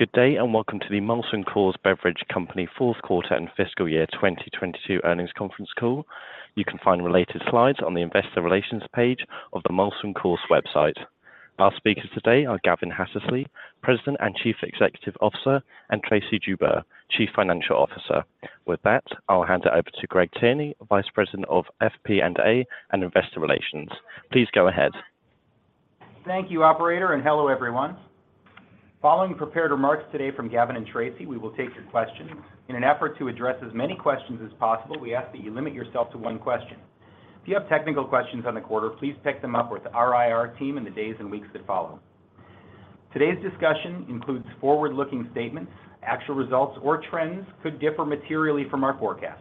Good day, welcome to the Molson Coors Beverage Company fourth quarter and fiscal year 2022 earnings conference call. You can find related slides on the Investor Relations page of the Molson Coors website. Our speakers today are Gavin Hattersley, President and Chief Executive Officer, and Tracey Joubert, Chief Financial Officer. With that, I'll hand it over to Greg Tierney, Vice President of FP&A and Investor Relations. Please go ahead. Thank you, operator, and hello, everyone. Following prepared remarks today from Gavin and Tracey, we will take your questions. In an effort to address as many questions as possible, we ask that you limit yourself to one question. If you have technical questions on the quarter, please pick them up with our IR team in the days and weeks that follow. Today's discussion includes forward-looking statements. Actual results or trends could differ materially from our forecasts.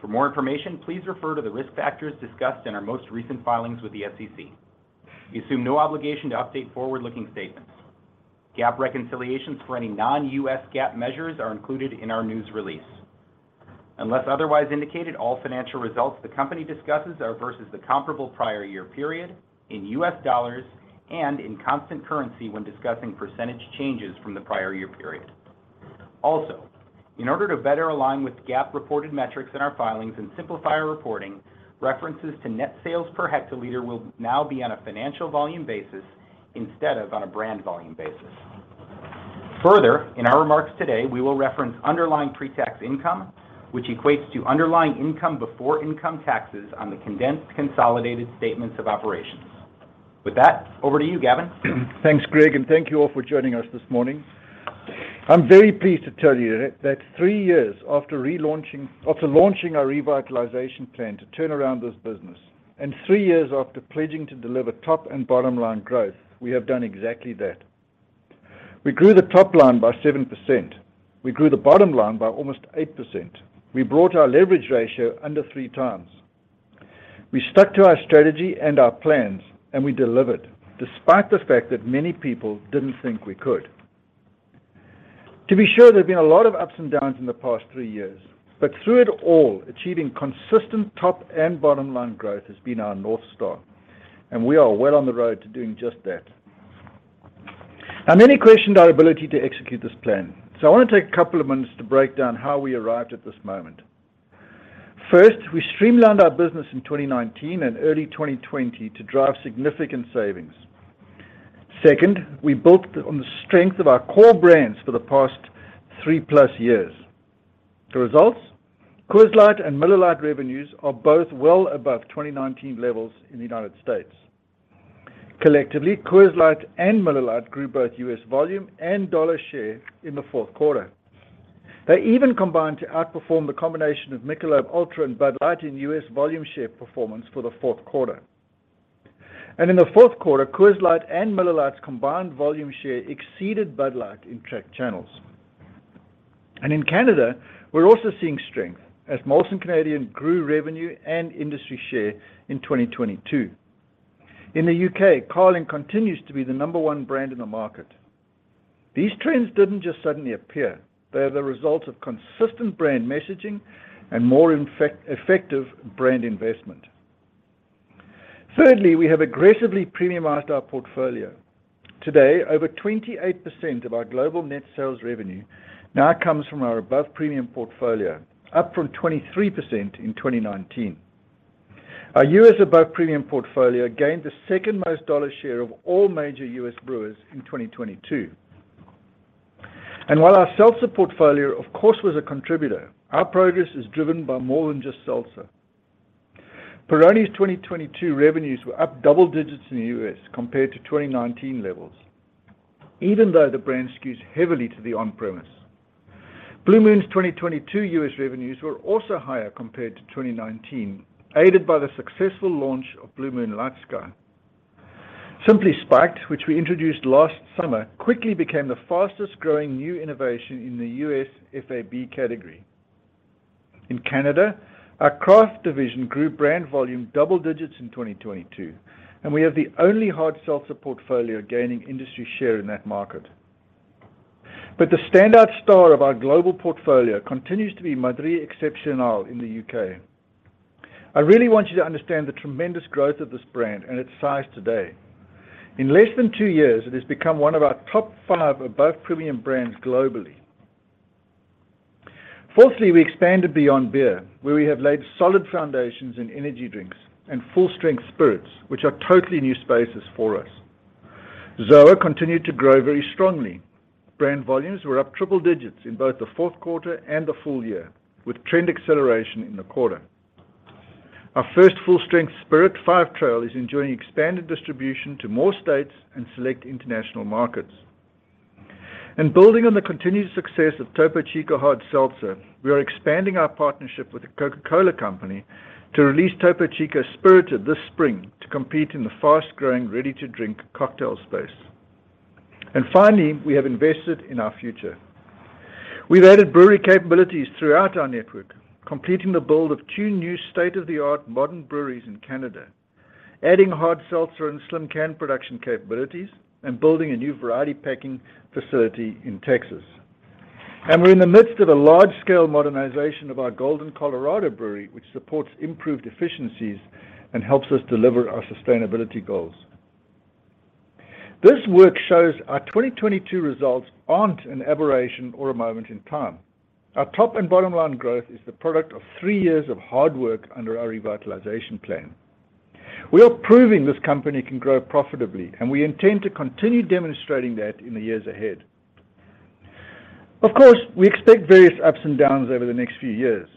For more information, please refer to the risk factors discussed in our most recent filings with the SEC. We assume no obligation to update forward-looking statements. GAAP reconciliations for any non-US GAAP measures are included in our news release. Unless otherwise indicated, all financial results the company discusses are versus the comparable prior year period in U.S. dollars and in constant currency when discussing percentage changes from the prior year period. Also, in order to better align with GAAP-reported metrics in our filings and simplify our reporting, references to net sales per hectoliter will now be on a financial volume basis instead of on a brand volume basis. Further, in our remarks today, we will reference underlying pre-tax income, which equates to underlying income before income taxes on the condensed consolidated statements of operations. With that, over to you, Gavin. Thanks, Greg, and thank you all for joining us this morning. I'm very pleased to tell you that three years after launching our revitalization plan to turn around this business, and three years after pledging to deliver top and bottom line growth, we have done exactly that. We grew the top line by 7%. We grew the bottom line by almost 8%. We brought our leverage ratio under 3x. We stuck to our strategy and our plans, and we delivered, despite the fact that many people didn't think we could. To be sure, there have been a lot of ups and downs in the past three years. Through it all, achieving consistent top and bottom line growth has been our North Star, and we are well on the road to doing just that. Many questioned our ability to execute this plan, so I want to take a couple of minutes to break down how we arrived at this moment. First, we streamlined our business in 2019 and early 2020 to drive significant savings. Second, we built on the strength of our core brands for the past 3+ years. The results, Coors Light and Miller Lite revenues are both well above 2019 levels in the United States. Collectively, Coors Light and Miller Lite grew both U.S. volume and dollar share in the fourth quarter. They even combined to outperform the combination of Michelob ULTRA and Bud Light in U.S. volume share performance for the fourth quarter. In the fourth quarter, Coors Light and Miller Lite's combined volume share exceeded Bud Light in tracked channels. In Canada, we're also seeing strength as Molson Canadian grew revenue and industry share in 2022. In the U.K., Carling continues to be the number one brand in the market. These trends didn't just suddenly appear. They are the result of consistent brand messaging and more effective brand investment. Thirdly, we have aggressively premiumized our portfolio. Today, over 28% of our global net sales revenue now comes from our Above Premium portfolio, up from 23% in 2019. Our US Above Premium portfolio gained the second most dollar share of all major U.S. brewers in 2022. While our seltzer portfolio, of course, was a contributor, our progress is driven by more than just seltzer. Peroni's 2022 revenues were up double digits in the U.S. compared to 2019 levels, even though the brand skews heavily to the on-premise. Blue Moon's 2022 U.S. revenues were also higher compared to 2019, aided by the successful launch of Blue Moon LightSky. Simply Spiked, which we introduced last summer, quickly became the fastest-growing new innovation in the U.S. FAB category. In Canada, our craft division grew brand volume double digits in 2022, and we have the only hard seltzer portfolio gaining industry share in that market. The standout star of our global portfolio continues to be Madrí Excepcional in the U.K. I really want you to understand the tremendous growth of this brand and its size today. In less than two years, it has become one of our top five Above Premium brands globally. Fourthly, we expanded Beyond Beer, where we have laid solid foundations in energy drinks and full-strength spirits, which are totally new spaces for us. ZOA continued to grow very strongly. Brand volumes were up triple digits in both the fourth quarter and the full year, with trend acceleration in the quarter. Our first full-strength spirit, Five Trail, is enjoying expanded distribution to more states and select international markets. Building on the continued success of Topo Chico Hard Seltzer, we are expanding our partnership with The Coca-Cola Company to release Topo Chico Spirited this spring to compete in the fast-growing ready-to-drink cocktail space. Finally, we have invested in our future. We've added brewery capabilities throughout our network, completing the build of two new state-of-the-art modern breweries in Canada, adding hard seltzer and slim can production capabilities, and building a new variety packing facility in Texas. We're in the midst of a large-scale modernization of our Golden, Colorado brewery, which supports improved efficiencies and helps us deliver our sustainability goals. This work shows our 2022 results aren't an aberration or a moment in time. Our top and bottom line growth is the product of three years of hard work under our revitalization plan. We are proving this company can grow profitably, and we intend to continue demonstrating that in the years ahead. Of course, we expect various ups and downs over the next few years.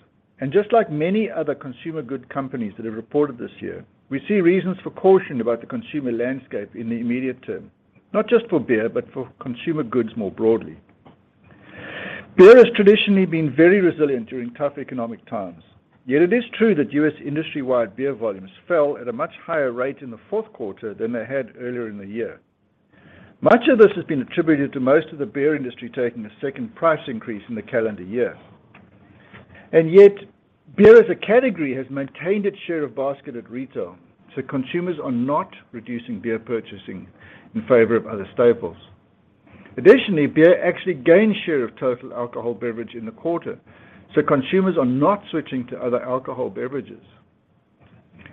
Just like many other consumer goods companies that have reported this year, we see reasons for caution about the consumer landscape in the immediate term, not just for beer, but for consumer goods more broadly. Beer has traditionally been very resilient during tough economic times. Yet it is true that U.S. industry-wide beer volumes fell at a much higher rate in the fourth quarter than they had earlier in the year. Much of this has been attributed to most of the beer industry taking a second price increase in the calendar year. Yet, beer as a category has maintained its share of basket at retail, so consumers are not reducing beer purchasing in favor of other staples. Additionally, beer actually gained share of total alcohol beverage in the quarter, so consumers are not switching to other alcohol beverages.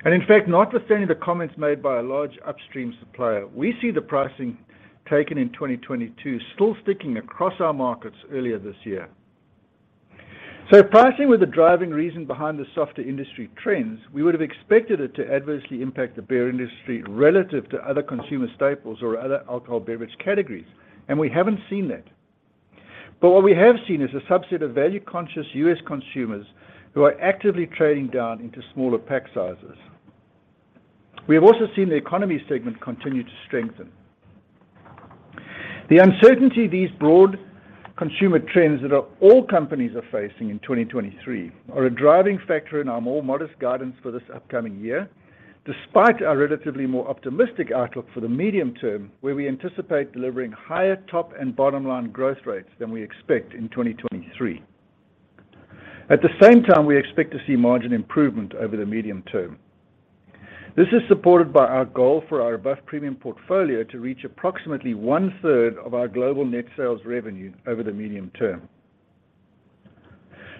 In fact, notwithstanding the comments made by a large upstream supplier, we see the pricing taken in 2022 still sticking across our markets earlier this year. If pricing was the driving reason behind the softer industry trends, we would have expected it to adversely impact the beer industry relative to other consumer staples or other alcohol beverage categories. We haven't seen that. What we have seen is a subset of value-conscious U.S. consumers who are actively trading down into smaller pack sizes. We have also seen the economy segment continue to strengthen. The uncertainty these broad consumer trends that all companies are facing in 2023 are a driving factor in our more modest guidance for this upcoming year, despite our relatively more optimistic outlook for the medium term, where we anticipate delivering higher top and bottom line growth rates than we expect in 2023. At the same time, we expect to see margin improvement over the medium term. This is supported by our goal for our above-premium portfolio to reach approximately 1/3 of our global net sales revenue over the medium term.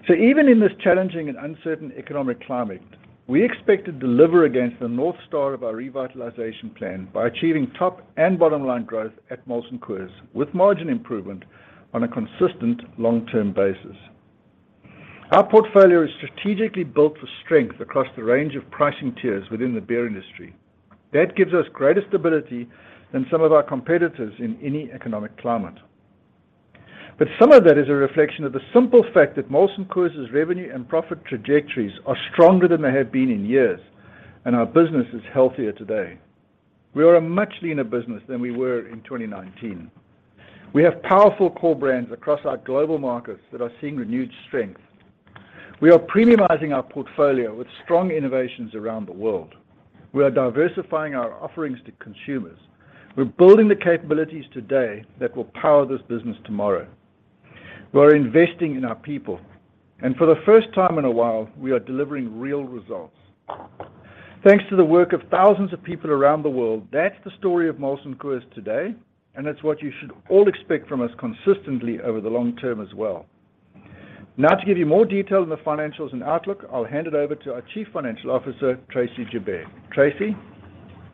Even in this challenging and uncertain economic climate, we expect to deliver against the north star of our revitalization plan by achieving top and bottom line growth at Molson Coors, with margin improvement on a consistent long-term basis. Our portfolio is strategically built for strength across the range of pricing tiers within the beer industry. That gives us greater stability than some of our competitors in any economic climate. Some of that is a reflection of the simple fact that Molson Coors' revenue and profit trajectories are stronger than they have been in years, and our business is healthier today. We are a much leaner business than we were in 2019. We have powerful core brands across our global markets that are seeing renewed strength. We are premiumizing our portfolio with strong innovations around the world. We are diversifying our offerings to consumers. We're building the capabilities today that will power this business tomorrow. We're investing in our people. For the first time in a while, we are delivering real results. Thanks to the work of thousands of people around the world, that's the story of Molson Coors today, and that's what you should all expect from us consistently over the long term as well. To give you more detail on the financials and outlook, I'll hand it over to our Chief Financial Officer, Tracey Joubert. Tracey?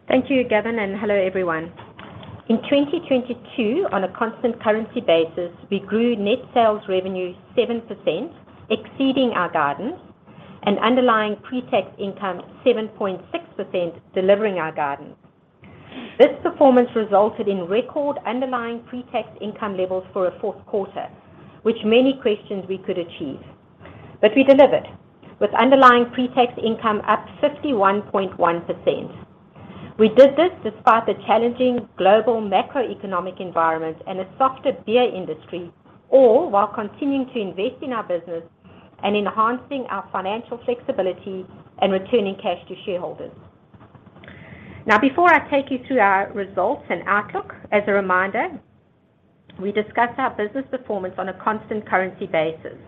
Thank you, Gavin, and hello, everyone. In 2022, on a constant currency basis, we grew net sales revenue 7%, exceeding our guidance, and underlying pre-tax income 7.6%, delivering our guidance. This performance resulted in record underlying pre-tax income levels for a fourth quarter, which many questioned we could achieve. We delivered, with underlying pre-tax income up 51.1%. We did this despite the challenging global macroeconomic environment and a softer beer industry, all while continuing to invest in our business and enhancing our financial flexibility and returning cash to shareholders. Before I take you through our results and outlook, as a reminder, we discussed our business performance on a constant currency basis.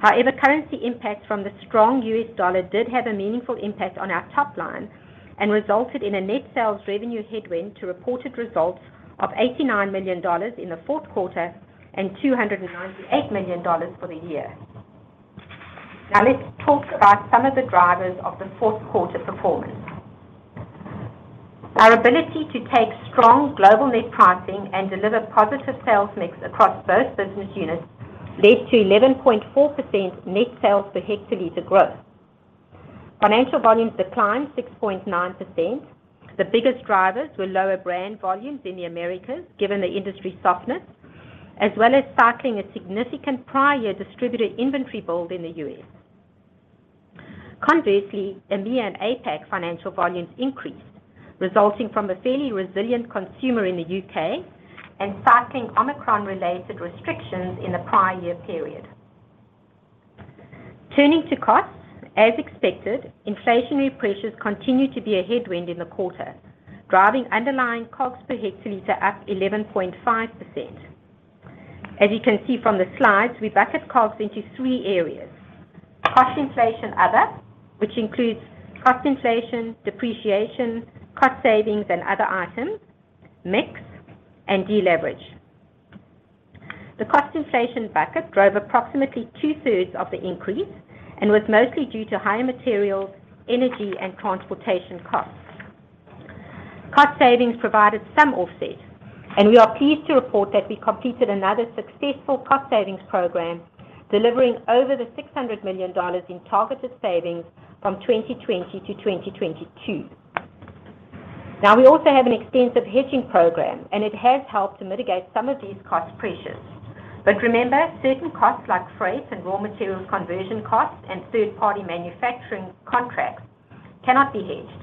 However, currency impact from the strong U.S. dollar did have a meaningful impact on our top line and resulted in a net sales revenue headwind to reported results of $89 million in the fourth quarter and $298 million for the year. Now let's talk about some of the drivers of the fourth quarter performance. Our ability to take strong global net pricing and deliver positive sales mix across both business units led to 11.4% net sales per hectoliter growth. Financial volumes declined 6.9%. The biggest drivers were lower brand volumes in the Americas, given the industry softness, as well as cycling a significant prior year distributor inventory build in the U.S. Conversely, EMEA and APAC financial volumes increased, resulting from a fairly resilient consumer in the U.K. and cycling Omicron-related restrictions in the prior year period. Turning to costs, as expected, inflationary pressures continued to be a headwind in the quarter, driving underlying COGS per hectoliter up 11.5%. As you can see from the slides, we bucket COGS into three areas. Cost inflation other, which includes cost inflation, depreciation, cost savings, and other items, mix, and deleverage. The cost inflation bucket drove approximately 2/3 of the increase and was mostly due to higher materials, energy, and transportation costs. Cost savings provided some offset, and we are pleased to report that we completed another successful cost savings program, delivering over the $600 million in targeted savings from 2020 to 2022. We also have an extensive hedging program, and it has helped to mitigate some of these cost pressures. Remember, certain costs like freight and raw materials conversion costs and third-party manufacturing contracts cannot be hedged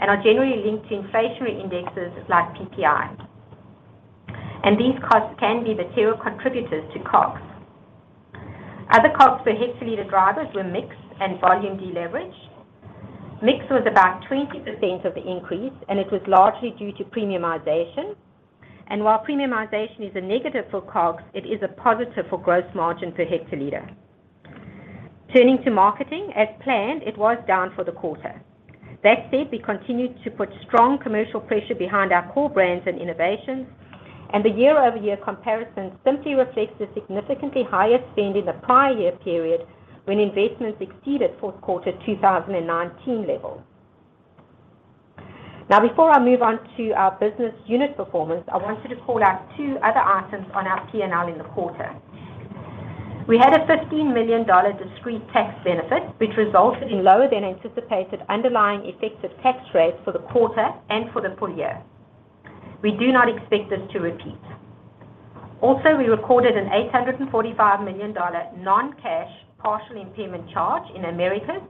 and are generally linked to inflationary indexes like PPI. These costs can be material contributors to COGS. Other COGS per hectoliter drivers were mix and volume deleverage. Mix was about 20% of the increase, it was largely due to premiumization. While premiumization is a negative for COGS, it is a positive for gross margin per hectoliter. Turning to marketing, as planned, it was down for the quarter. That said, we continued to put strong commercial pressure behind our core brands and innovations, and the year-over-year comparison simply reflects the significantly higher spend in the prior year period when investments exceeded fourth quarter 2019 levels. Before I move on to our business unit performance, I wanted to call out two other items on our P&L in the quarter. We had a $15 million discrete tax benefit, which resulted in lower than anticipated underlying effective tax rates for the quarter and for the full year. We do not expect this to repeat. We recorded an $845 million non-cash partial impairment charge in Americas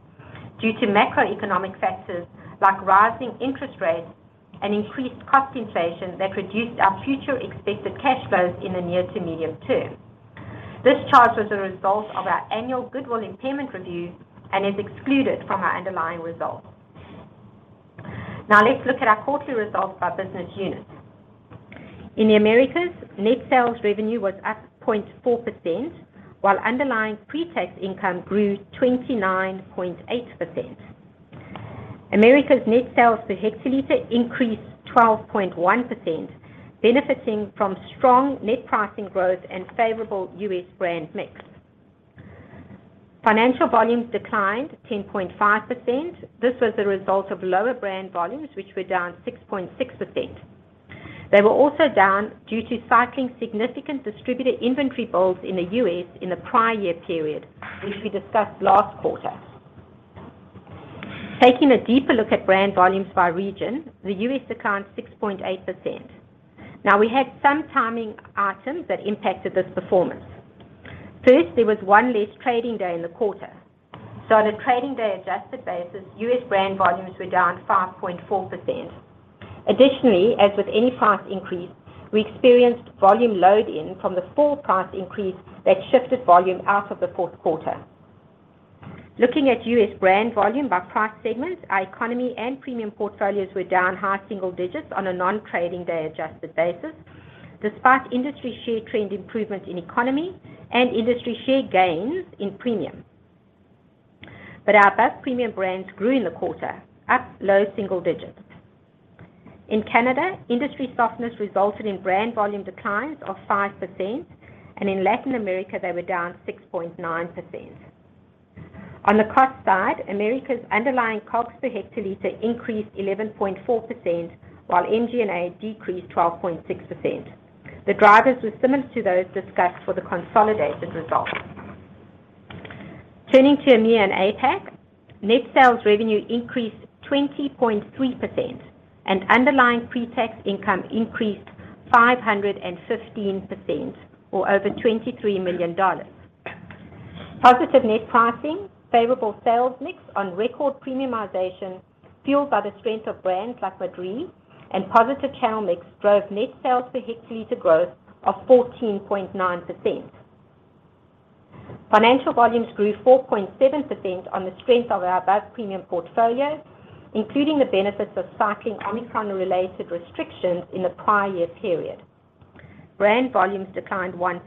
due to macroeconomic factors like rising interest rates and increased cost inflation that reduced our future expected cash flows in the near to medium term. This charge was a result of our annual goodwill impairment review and is excluded from our underlying results. Let's look at our quarterly results by business unit. In the Americas, net sales revenue was up 0.4%, while underlying pre-tax income grew 29.8%. Americas net sales per hectoliter increased 12.1%, benefiting from strong net pricing growth and favorable U.S. brand mix. Financial volumes declined 10.5%. This was the result of lower brand volumes, which were down 6.6%. They were also down due to cycling significant distributor inventory builds in the U.S. in the prior year period, which we discussed last quarter. Taking a deeper look at brand volumes by region, the U.S. accounts 6.8%. We had some timing items that impacted this performance. First, there was one less trading day in the quarter. On a trading day adjusted basis, U.S. brand volumes were down 5.4%. Additionally, as with any price increase, we experienced volume load-in from the full price increase that shifted volume out of the fourth quarter. Looking at U.S. brand volume by price segment, our economy and premium portfolios were down high single digits on a non-trading day adjusted basis, despite industry share trend improvements in economy and industry share gains in premium. Our Above Premium brands grew in the quarter, up low single digits. In Canada, industry softness resulted in brand volume declines of 5%, and in Latin America, they were down 6.9%. On the cost side, Americas' underlying COGS per hectoliter increased 11.4%, while MG&A decreased 12.6%. The drivers were similar to those discussed for the consolidated results. Turning to EMEA and APAC, net sales revenue increased 20.3%, and underlying pre-tax income increased 515% or over $23 million. Positive net pricing, favorable sales mix on record premiumization fueled by the strength of brands like Madrí and positive channel mix drove net sales per hectoliter growth of 14.9%. Financial volumes grew 4.7% on the strength of our Above Premium portfolio, including the benefits of cycling Omicron-related restrictions in the prior year period. Brand volumes declined 1%.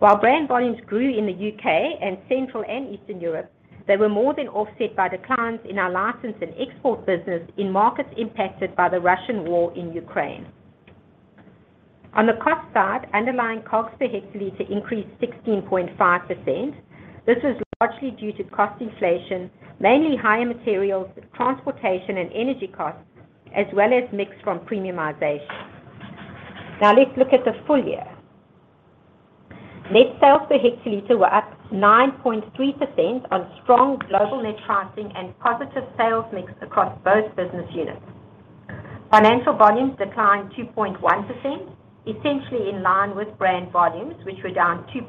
While brand volumes grew in the U.K. and Central and Eastern Europe, they were more than offset by declines in our license and export business in markets impacted by the Russian war in Ukraine. On the cost side, underlying COGS per hectoliter increased 16.5%. This was largely due to cost inflation, mainly higher materials, transportation, and energy costs, as well as mix from premiumization. Let's look at the full year. Net sales per hectoliter were up 9.3% on strong global net pricing and positive sales mix across both business units. Financial volumes declined 2.1%, essentially in line with brand volumes, which were down 2%.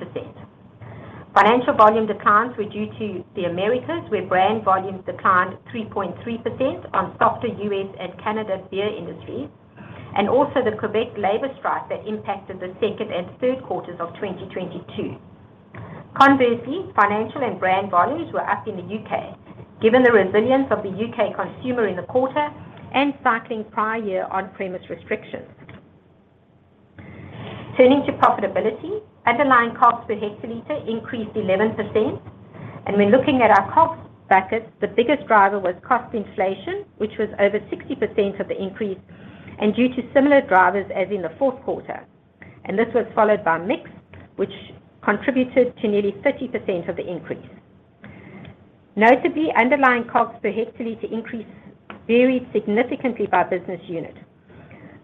Financial volume declines were due to the Americas, where brand volumes declined 3.3% on softer U.S. and Canada beer industries, also the Quebec labor strike that impacted the second and third quarters of 2022. Conversely, financial and brand volumes were up in the U.K., given the resilience of the U.K. consumer in the quarter and cycling prior year on-premise restrictions. Turning to profitability, underlying costs per hectoliter increased 11%. When looking at our cost buckets, the biggest driver was cost inflation, which was over 60% of the increase and due to similar drivers as in the fourth quarter. This was followed by mix, which contributed to nearly 30% of the increase. Notably, underlying costs per hectoliter increase varied significantly by business unit,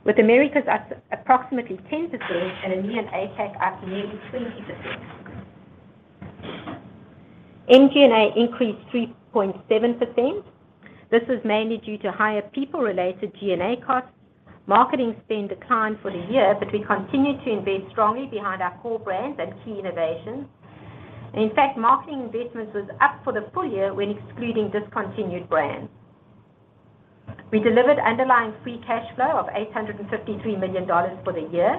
with Americas up approximately 10% and EMEA and APAC up nearly 20%. MG&A increased 3.7%. This was mainly due to higher people-related G&A costs. Marketing spend declined for the year, but we continued to invest strongly behind our core brands and key innovations. In fact, marketing investments was up for the full year when excluding discontinued brands. We delivered underlying free cash flow of $853 million for the year.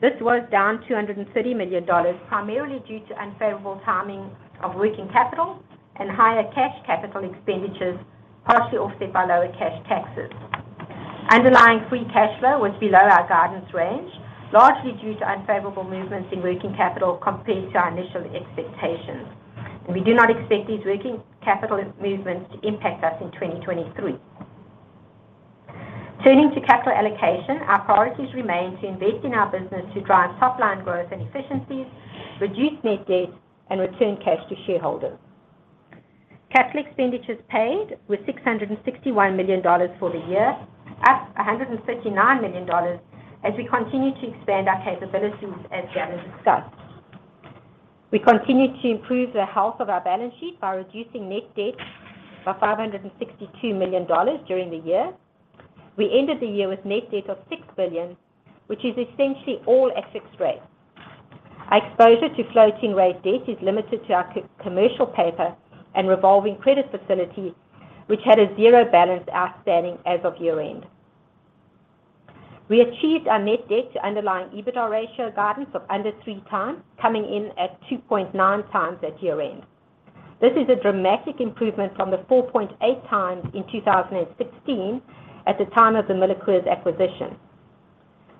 This was down $230 million, primarily due to unfavorable timing of working capital and higher cash capital expenditures, partially offset by lower cash taxes. Underlying free cash flow was below our guidance range, largely due to unfavorable movements in working capital compared to our initial expectations. We do not expect these working capital movements to impact us in 2023. Turning to capital allocation, our priorities remain to invest in our business to drive top line growth and efficiencies, reduce net debt, and return cash to shareholders. Capital expenditures paid were $661 million for the year, up $139 million as we continue to expand our capabilities as Janet discussed. We continued to improve the health of our balance sheet by reducing net debt by $562 million during the year. We ended the year with net debt of $6 billion, which is essentially all at fixed rate. Our exposure to floating rate debt is limited to our commercial paper and revolving credit facility, which had a zero balance outstanding as of year-end. We achieved our net debt to underlying EBITDA ratio guidance of under 3x, coming in at 2.9x at year-end. This is a dramatic improvement from the 4.8x in 2016 at the time of the MillerCoors acquisition.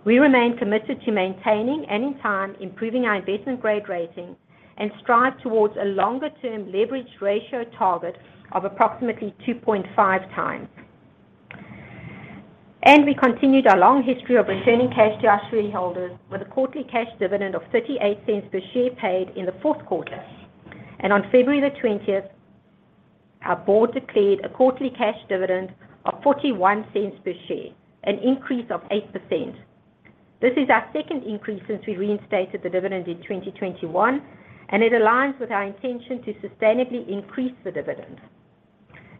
We remain committed to maintaining and, in time, improving our investment-grade rating and strive towards a longer-term leverage ratio target of approximately 2.5x. We continued our long history of returning cash to our shareholders with a quarterly cash dividend of $0.38 per share paid in the 4Q. On February 20th, our board declared a quarterly cash dividend of $0.41 per share, an increase of 8%. This is our second increase since we reinstated the dividend in 2021. It aligns with our intention to sustainably increase the dividend.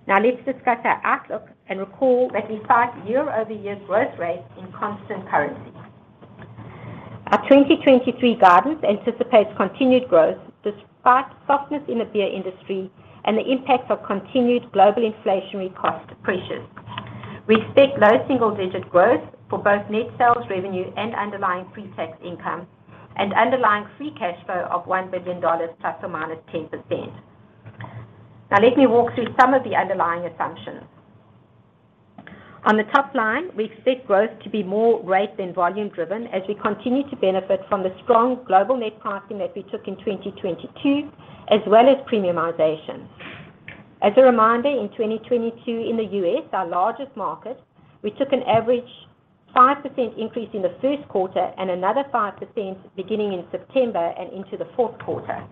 Let's discuss our outlook and recall that we cite year-over-year growth rates in constant currency. Our 2023 guidance anticipates continued growth despite softness in the beer industry and the impact of continued global inflationary cost pressures. We expect low single-digit growth for both net sales revenue and underlying pretax income and underlying free cash flow of $1 billion ±10%. Let me walk through some of the underlying assumptions. On the top line, we expect growth to be more rate than volume driven as we continue to benefit from the strong global net pricing that we took in 2022, as well as premiumization. As a reminder, in 2022 in the U.S., our largest market, we took an average 5% increase in the first quarter and another 5% beginning in September and into the fourth quarter.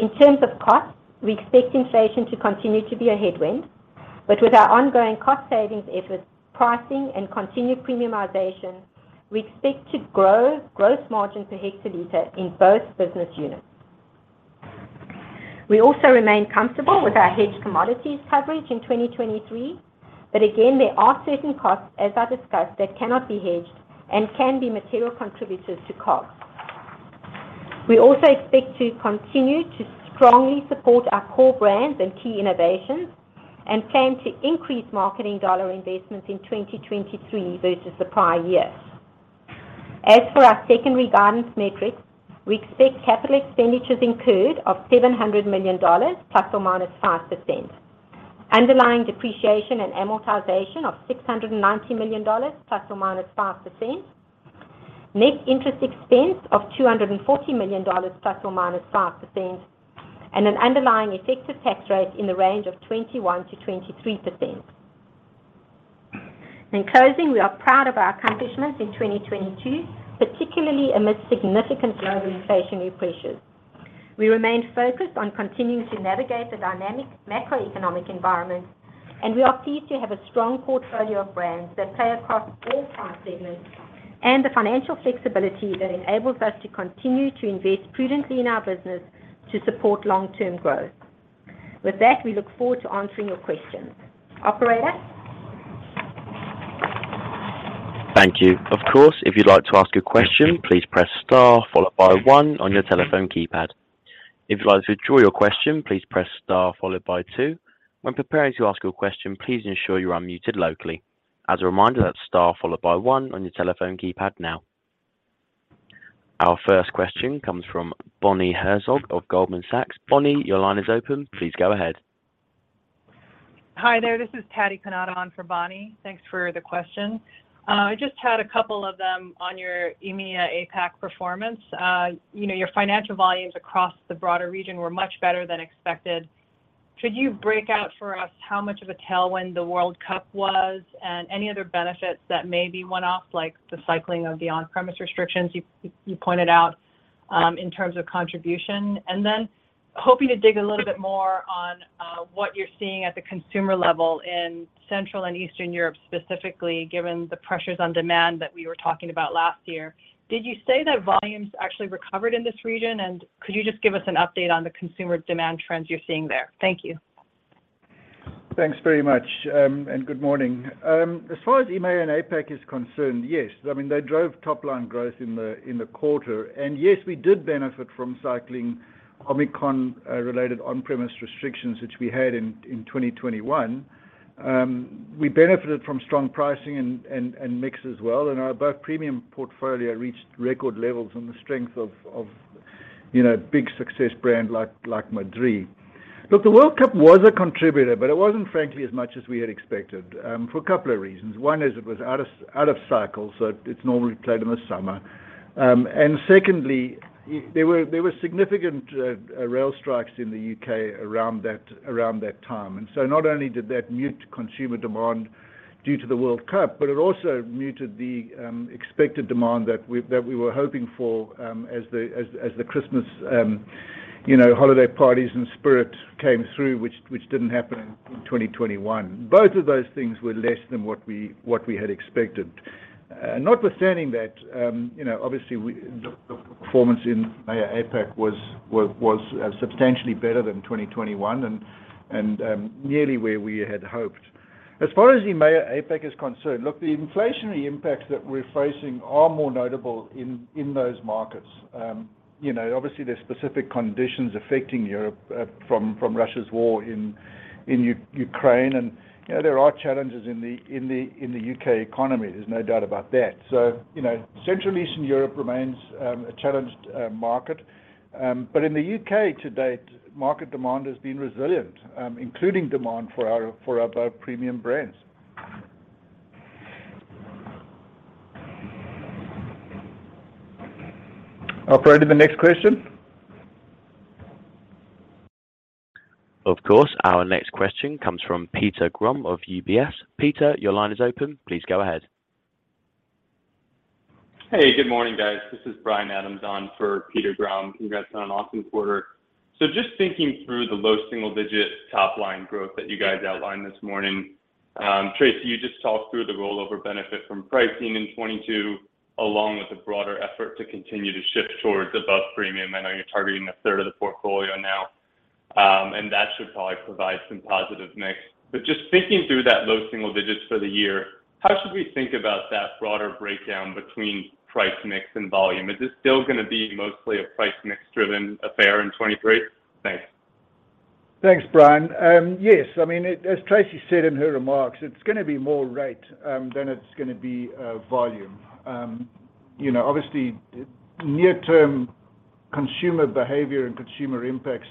In terms of costs, we expect inflation to continue to be a headwind, but with our ongoing cost savings efforts, pricing, and continued premiumization, we expect to grow gross margin per hectoliter in both business units. We also remain comfortable with our hedged commodities coverage in 2023, but again, there are certain costs, as I discussed, that cannot be hedged and can be material contributors to cost. We also expect to continue to strongly support our core brands and key innovations and plan to increase marketing dollar investments in 2023 versus the prior year. As for our secondary guidance metrics, we expect capital expenditures incurred of $700 million ±5%. Underlying depreciation and amortization of $690 million ±5%. Net interest expense of $240 million ±5%. An underlying effective tax rate in the range of 21%-23%. In closing, we are proud of our accomplishments in 2022, particularly amidst significant global inflationary pressures. We remain focused on continuing to navigate the dynamic macroeconomic environment, and we are pleased to have a strong portfolio of brands that play across all price segments and the financial flexibility that enables us to continue to invest prudently in our business to support long-term growth. With that, we look forward to answering your questions. Operator? Thank you. Of course, if you'd like to ask a question, please press star followed by one on your telephone keypad. If you'd like to withdraw your question, please press star followed by two. When preparing to ask your question, please ensure you are unmuted locally. As a reminder, that's star followed by one on your telephone keypad now. Our first question comes from Bonnie Herzog of Goldman Sachs. Bonnie, your line is open. Please go ahead. Hi there. This is Patty Kanada on for Bonnie. Thanks for the question. I just had a couple of them on your EMEA, APAC performance. you know, your financial volumes across the broader region were much better than expected. Could you break out for us how much of a tailwind the World Cup was, and any other benefits that may be one-off, like the cycling of the on-premise restrictions you pointed out in terms of contribution? Hoping to dig a little bit more on what you're seeing at the consumer level in Central and Eastern Europe specifically, given the pressures on demand that we were talking about last year. Did you say that volumes actually recovered in this region? Could you just give us an update on the consumer demand trends you're seeing there? Thank you. Thanks very much. Good morning. As far as EMEA and APAC is concerned, yes. I mean, they drove top-line growth in the quarter. Yes, we did benefit from cycling Omicron related on-premise restrictions, which we had in 2021. We benefited from strong pricing and mix as well. Our Above Premium portfolio reached record levels on the strength of, you know, big success brand like Madrí. Look, the World Cup was a contributor, but it wasn't, frankly, as much as we had expected for a couple of reasons. One is it was out of cycle, so it's normally played in the summer. Secondly, there were significant rail strikes in the UK around that time. Not only did that mute consumer demand due to the World Cup, but it also muted the expected demand that we were hoping for, as the Christmas, you know, holiday parties and spirit came through, which didn't happen in 2021. Both of those things were less than what we had expected. Notwithstanding that, you know, obviously the performance in EMEA, APAC was substantially better than in 2021 and nearly where we had hoped. As far as EMEA, APAC is concerned, look, the inflationary impacts that we're facing are more notable in those markets. You know, obviously, there's specific conditions affecting Europe, from Russia's war in Ukraine. You know, there are challenges in the U.K. economy. There's no doubt about that. you know, Central Eastern Europe remains a challenged market. in the U.K. to date, market demand has been resilient, including demand for our, for our Above Premium brands. Operator, the next question. Of course. Our next question comes from Peter Grom of UBS. Peter, your line is open. Please go ahead. Hey, good morning, guys. This is Bryan Adams on for Peter Grom. Congrats on an awesome quarter. Just thinking through the low single-digit top-line growth that you guys outlined this morning, Tracey, you just talked through the rollover benefit from pricing in 2022, along with the broader effort to continue to shift towards Above Premium. I know you're targeting a third of the portfolio now, and that should probably provide some positive mix. Just thinking through that low single digits for the year, how should we think about that broader breakdown between price mix and volume? Is this still gonna be mostly a price mix driven affair in 2023? Thanks. Thanks, Bryan. Yes. I mean, as Tracey said in her remarks, it's gonna be more rate than it's gonna be volume. You know, obviously, near-term consumer behavior and consumer impacts,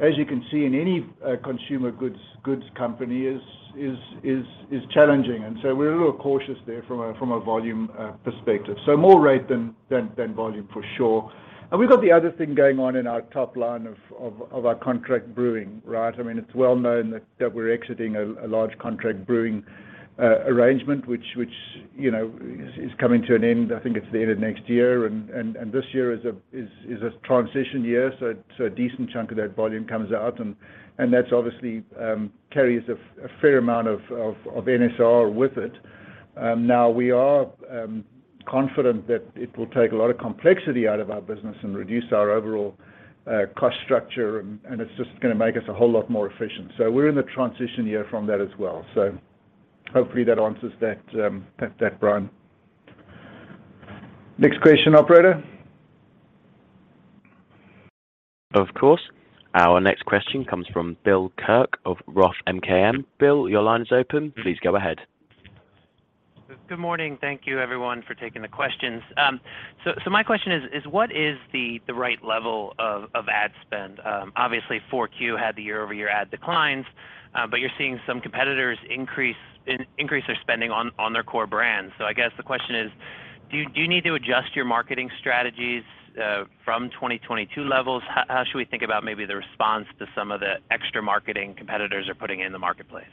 as you can see in any consumer goods company is challenging. We're a little cautious there from a volume perspective. So more rate than volume for sure. We've got the other thing going on in our top line of our contract brewing, right? I mean, it's well known that we're exiting a large contract brewing arrangement, which, you know, is coming to an end. I think it's the end of next year. This year is a transition year, so a decent chunk of that volume comes out. That's obviously carries a fair amount of NSR with it. Now we are confident that it will take a lot of complexity out of our business and reduce our overall cost structure, and it's just gonna make us a whole lot more efficient. We're in the transition year from that as well. Hopefully that answers that, Bryan. Next question, operator. Of course. Our next question comes from Bill Kirk of ROTH MKM. Bill, your line is open. Please go ahead. Good morning. Thank you everyone for taking the questions. My question is what is the right level of ad spend? Obviously 4Q had the year-over-year ad declines. You're seeing some competitors increase their spending on their core brands. I guess the question is, do you need to adjust your marketing strategies from 2022 levels? How should we think about maybe the response to some of the extra marketing competitors are putting in the marketplace?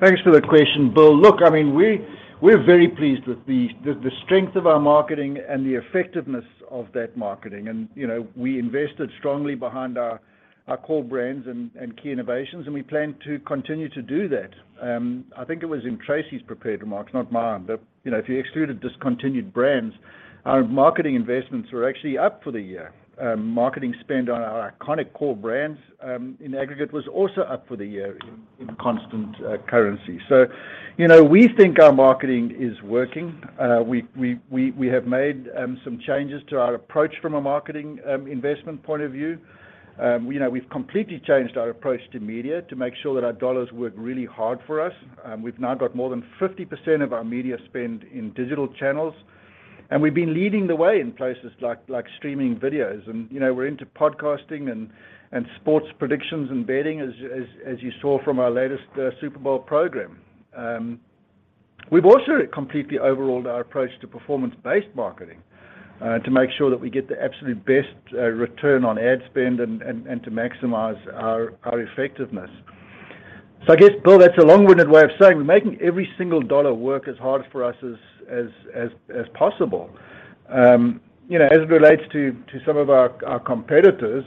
Thanks for the question, Bill. Look, I mean, we're very pleased with the strength of our marketing and the effectiveness of that marketing. You know, we invested strongly behind our core brands and key innovations, and we plan to continue to do that. I think it was in Tracey's prepared remarks, not mine, that, you know, if you excluded discontinued brands, our marketing investments were actually up for the year. Marketing spend on our iconic core brands, in aggregate was also up for the year in constant currency. You know, we think our marketing is working. We have made some changes to our approach from a marketing investment point of view. You know, we've completely changed our approach to media to make sure that our dollars work really hard for us. We've now got more than 50% of our media spend in digital channels. We've been leading the way in places like streaming videos and, you know, we're into podcasting and sports predictions and betting as you saw from our latest Super Bowl program. We've also completely overhauled our approach to performance-based marketing to make sure that we get the absolute best return on ad spend and to maximize our effectiveness. I guess, Bill, that's a long-winded way of saying we're making every single dollar work as hard for us as possible. You know, as it relates to some of our competitors,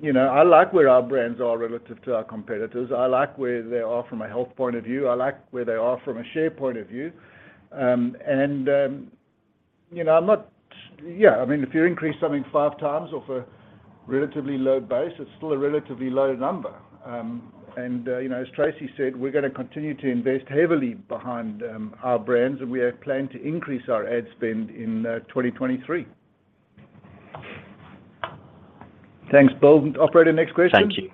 you know, I like where our brands are relative to our competitors. I like where they are from a health point of view. I like where they are from a share point of view. You know, Yeah, I mean, if you increase something five times off a relatively low base, it's still a relatively low number. You know, as Tracey said, we're gonna continue to invest heavily behind our brands, and we have planned to increase our ad spend in 2023. Thanks, Bill. Operator, next question. Thank you.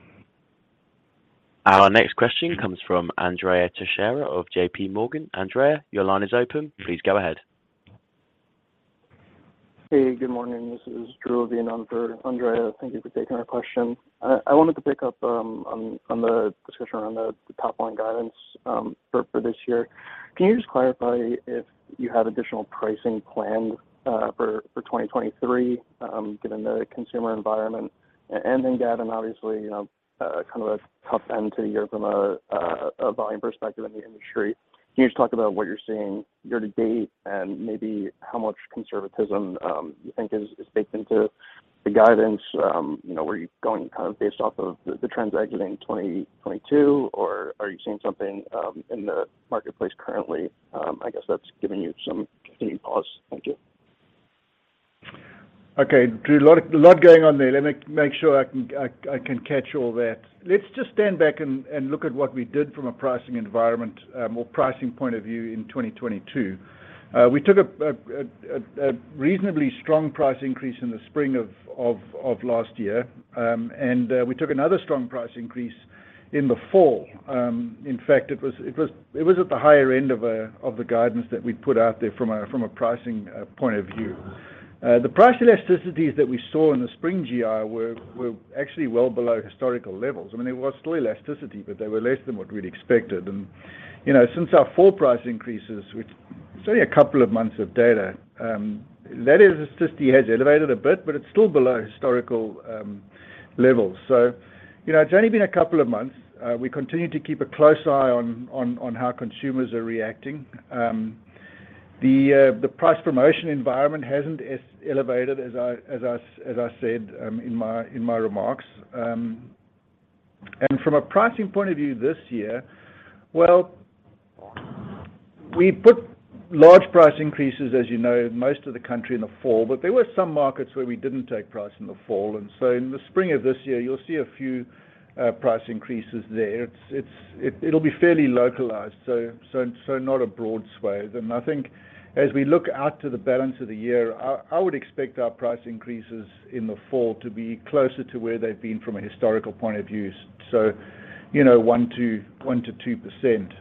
Our next question comes from Andrea Teixeira of J.P. Morgan. Andrea, your line is open. Please go ahead. Hey, good morning. This is Drew Levine on for Andrea Teixeira. Thank you for taking our question. I wanted to pick up on the discussion around the top line guidance for this year. Can you just clarify if you have additional pricing plans for 2023 given the consumer environment? Then, Gavin, obviously, you know, kind of a tough end to the year from a volume perspective in the industry. Can you just talk about what you're seeing year to date and maybe how much conservatism you think is baked into the guidance? You know, were you going kind of based off of the trends exiting 2022, or are you seeing something in the marketplace currently, I guess that's giving you some continued pause? Thank you. Drew, a lot going on there. Let me make sure I can catch all that. Let's just stand back and look at what we did from a pricing environment or pricing point of view in 2022. We took a reasonably strong price increase in the spring of last year. We took another strong price increase in the fall. In fact, it was at the higher end of the guidance that we'd put out there from a pricing point of view. The price elasticities that we saw in the spring GI were actually well below historical levels. I mean, there was still elasticity, they were less than what we'd expected. You know, since our fall price increases, which it's only a couple of months of data, that elasticity has elevated a bit, but it's still below historical levels. You know, it's only been a couple of months. We continue to keep a close eye on how consumers are reacting. The price promotion environment hasn't as elevated as I said in my remarks. From a pricing point of view this year, well, we put large price increases, as you know, most of the country in the fall, but there were some markets where we didn't take price in the fall, so in the spring of this year, you'll see a few price increases there. It'll be fairly localized, so not a broad swathe. I think as we look out to the balance of the year, I would expect our price increases in the fall to be closer to where they've been from a historical point of view. You know, 1%-2%.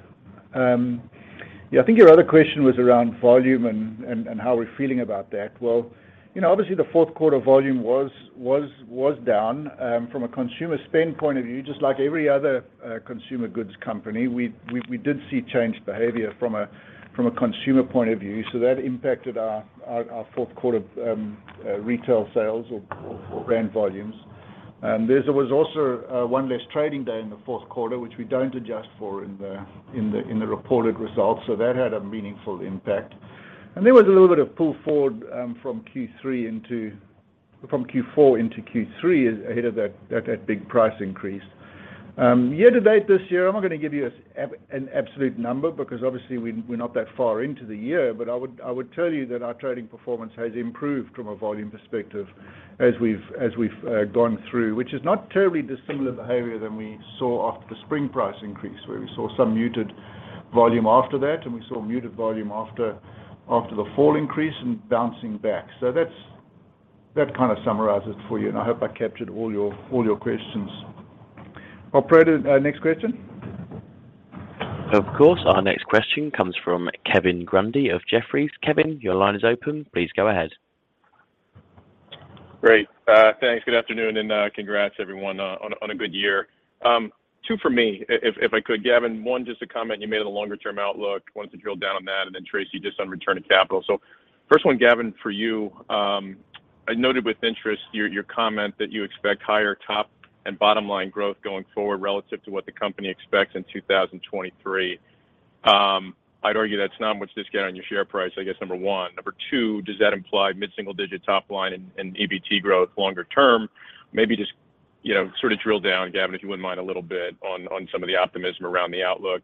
Yeah, I think your other question was around volume and how we're feeling about that. Well, you know, obviously the fourth quarter volume was down. From a consumer spend point of view, just like every other consumer goods company, we did see changed behavior from a consumer point of view, so that impacted our fourth quarter retail sales or brand volumes. There was also one less trading day in the fourth quarter, which we don't adjust for in the reported results, so that had a meaningful impact. There was a little bit of pull forward from Q4 into Q3 ahead of that big price increase. Year-to-date this year, I'm not gonna give you an absolute number because obviously we're not that far into the year, but I would tell you that our trading performance has improved from a volume perspective as we've gone through, which is not terribly dissimilar behavior than we saw after the spring price increase, where we saw some muted volume after that, and we saw muted volume after the fall increase and bouncing back. That's. That kind of summarizes it for you, and I hope I captured all your questions. Operator, next question. Of course. Our next question comes from Kevin Grundy of Jefferies. Kevin, your line is open. Please go ahead. Great. Thanks. Good afternoon, congrats everyone on a good year. Two for me, if I could, Gavin. One, just a comment you made on the longer term outlook. Wanted to drill down on that. Tracey, just on return of capital. First one, Gavin, for you. I noted with interest your comment that you expect higher top and bottom line growth going forward relative to what the company expects in 2023. I'd argue that's not much discount on your share price, I guess, number one. Number two, does that imply mid-single digit top line and EBT growth longer term? Maybe just, you know, sort of drill down, Gavin, if you wouldn't mind a little bit on some of the optimism around the outlook.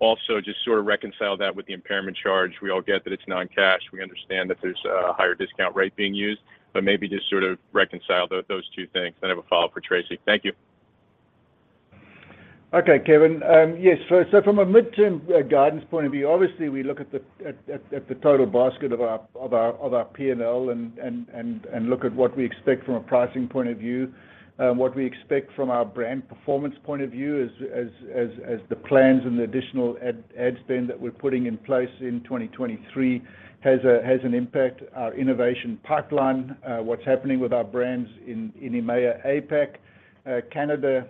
Also, just sort of reconcile that with the impairment charge. We all get that it's non-cash. We understand that there's a higher discount rate being used, but maybe just sort of reconcile those two things. I have a follow-up for Tracey. Thank you. Okay, Kevin. Yes. From a midterm guidance point of view, obviously, we look at the total basket of our P&L and look at what we expect from a pricing point of view, what we expect from our brand performance point of view as the plans and the additional ad spend that we're putting in place in 2023 has an impact. Our innovation pipeline, what's happening with our brands in EMEA, APAC, Canada,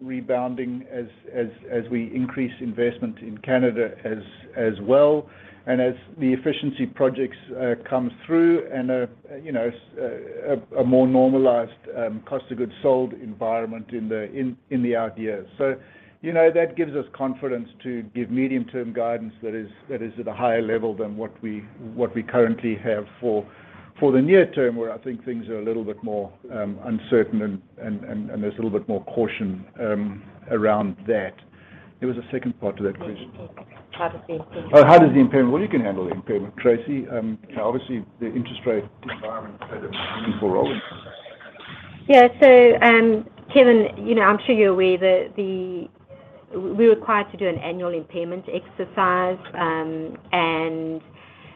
rebounding as we increase investment in Canada as well, and as the efficiency projects come through and, you know, a more normalized COGS environment in the out years. You know, that gives us confidence to give medium-term guidance that is at a higher level than what we currently have for the near term, where I think things are a little bit more uncertain and there's a little bit more caution around that. There was a second part to that question. How does the impairment- Well, you can handle the impairment, Tracey. You know, obviously the interest rate environment has had an important role in this. Yeah. Kevin, you know, I'm sure you're aware that we're required to do an annual impairment exercise, and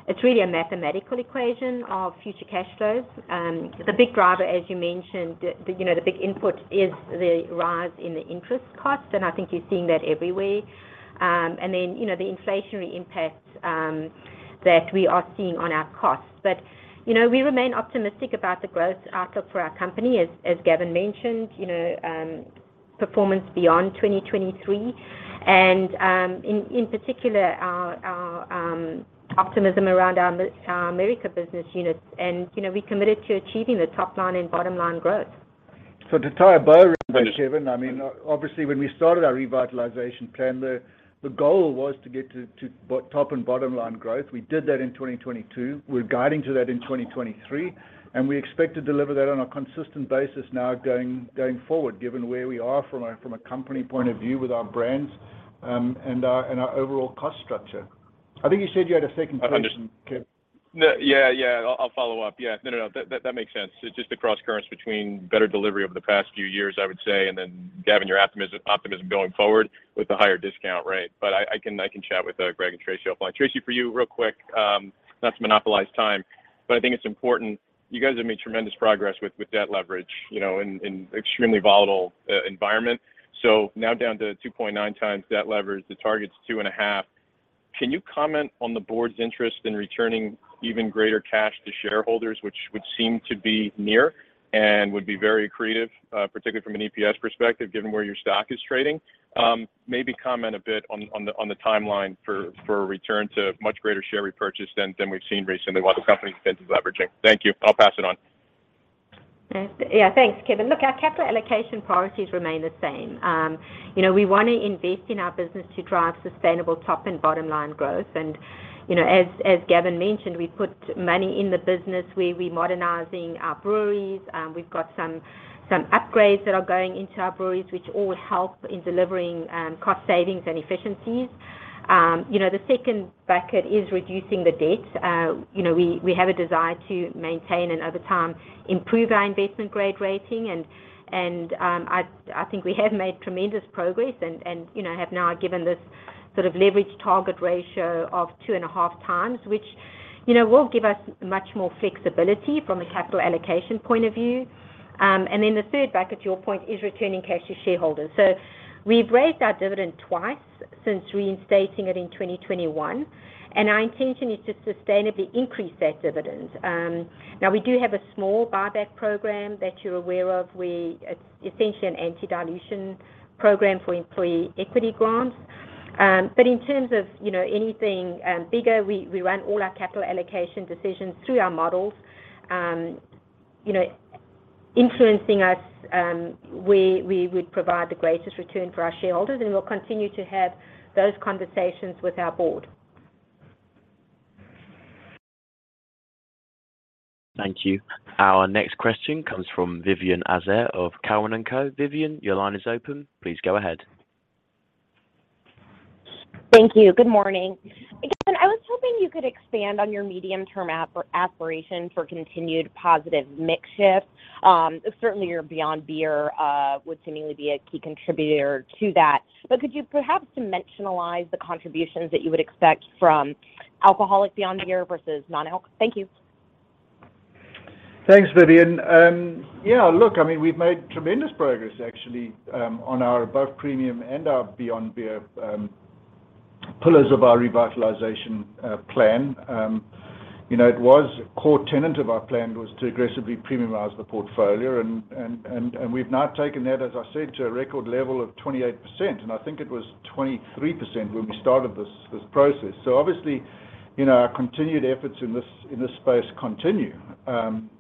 it's really a mathematical equation of future cash flows. The big driver, as you mentioned, the, you know, the big input is the rise in the interest costs, and I think you're seeing that everywhere, and then, you know, the inflationary impact that we are seeing on our costs. We remain optimistic about the growth outlook for our company, as Gavin mentioned, you know, performance beyond 2023 and, in particular our optimism around our America Business Units and, you know, recommitted to achieving the top line and bottom line growth. To tie a bow around that, Kevin, I mean, obviously, when we started our revitalization plan, the goal was to get to top and bottom line growth. We did that in 2022. We're guiding to that in 2023, and we expect to deliver that on a consistent basis now going forward, given where we are from a company point of view with our brands, and our overall cost structure. I think you said you had a second question, Kevin. No. Yeah, yeah. I'll follow up. Yeah. No, no. That makes sense. Just the cross currents between better delivery over the past few years, I would say, and then Gavin, your optimism going forward with the higher discount rate. I can chat with Greg and Tracey offline. Tracey, for you real quick, not to monopolize time, but I think it's important, you guys have made tremendous progress with debt leverage, you know, in extremely volatile environment. Now down to 2.9 times debt leverage. The target's 2.5. Can you comment on the board's interest in returning even greater cash to shareholders, which would seem to be near and would be very accretive, particularly from an EPS perspective, given where your stock is trading? Maybe comment a bit on the timeline for a return to much greater share repurchase than we've seen recently while the company's been deleveraging. Thank you. I'll pass it on. Thanks, Kevin. Look, our capital allocation priorities remain the same. you know, we wanna invest in our business to drive sustainable top and bottom line growth. you know, as Gavin mentioned, we put money in the business. We're modernizing our breweries. We've got some upgrades that are going into our breweries, which all help in delivering cost savings and efficiencies. you know, the second bucket is reducing the debt. you know, we have a desire to maintain and, over time, improve our investment grade rating. I think we have made tremendous progress and, you know, have now given this sort of leverage target ratio of 2.5 times, which, you know, will give us much more flexibility from a capital allocation point of view. The third bucket, to your point, is returning cash to shareholders. We've raised our dividend twice since reinstating it in 2021, and our intention is to sustainably increase that dividend. We do have a small buyback program that you're aware of. It's essentially an anti-dilution program for employee equity grants. In terms of, you know, anything, bigger, we run all our capital allocation decisions through our models, you know, influencing us, where we would provide the greatest return for our shareholders, and we'll continue to have those conversations with our board. Thank you. Our next question comes from Vivien Azer of Cowen and Company. Vivien, your line is open. Please go ahead. Thank you. Good morning. Again, I was hoping you could expand on your medium-term aspiration for continued positive mix shift. Certainly your Beyond Beer would seemingly be a key contributor to that. Could you perhaps dimensionalize the contributions that you would expect from alcoholic Beyond Beer versus non-alcoholic? Thank you. Thanks, Vivien. Yeah, look, I mean, we've made tremendous progress actually, on our Above Premium and our Beyond Beer, pillars of our revitalization plan. You know, it was a core tenant of our plan was to aggressively premiumize the portfolio and we've now taken that, as I said, to a record level of 28%, and I think it was 23% when we started this process. Obviously, you know, our continued efforts in this space continue.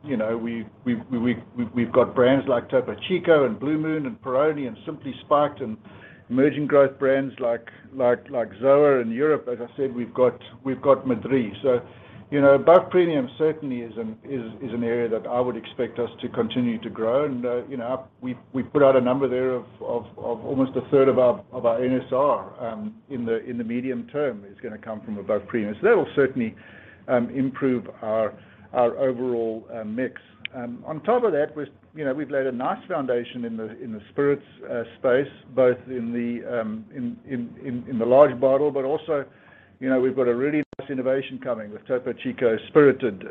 You know, we've got brands like Topo Chico and Blue Moon and Peroni and Simply Sparkling and emerging growth brands like ZOA in Europe. As I said, we've got Madrí. You know, Above Premium certainly is an area that I would expect us to continue to grow. You know, we put out a number there of almost a third of our NSR in the medium term is gonna come from Above Premium. That'll certainly improve our overall mix. On top of that, you know, we've laid a nice foundation in the spirits space, both in the large bottle, but also, you know, we've got a really nice innovation coming with Topo Chico Spirited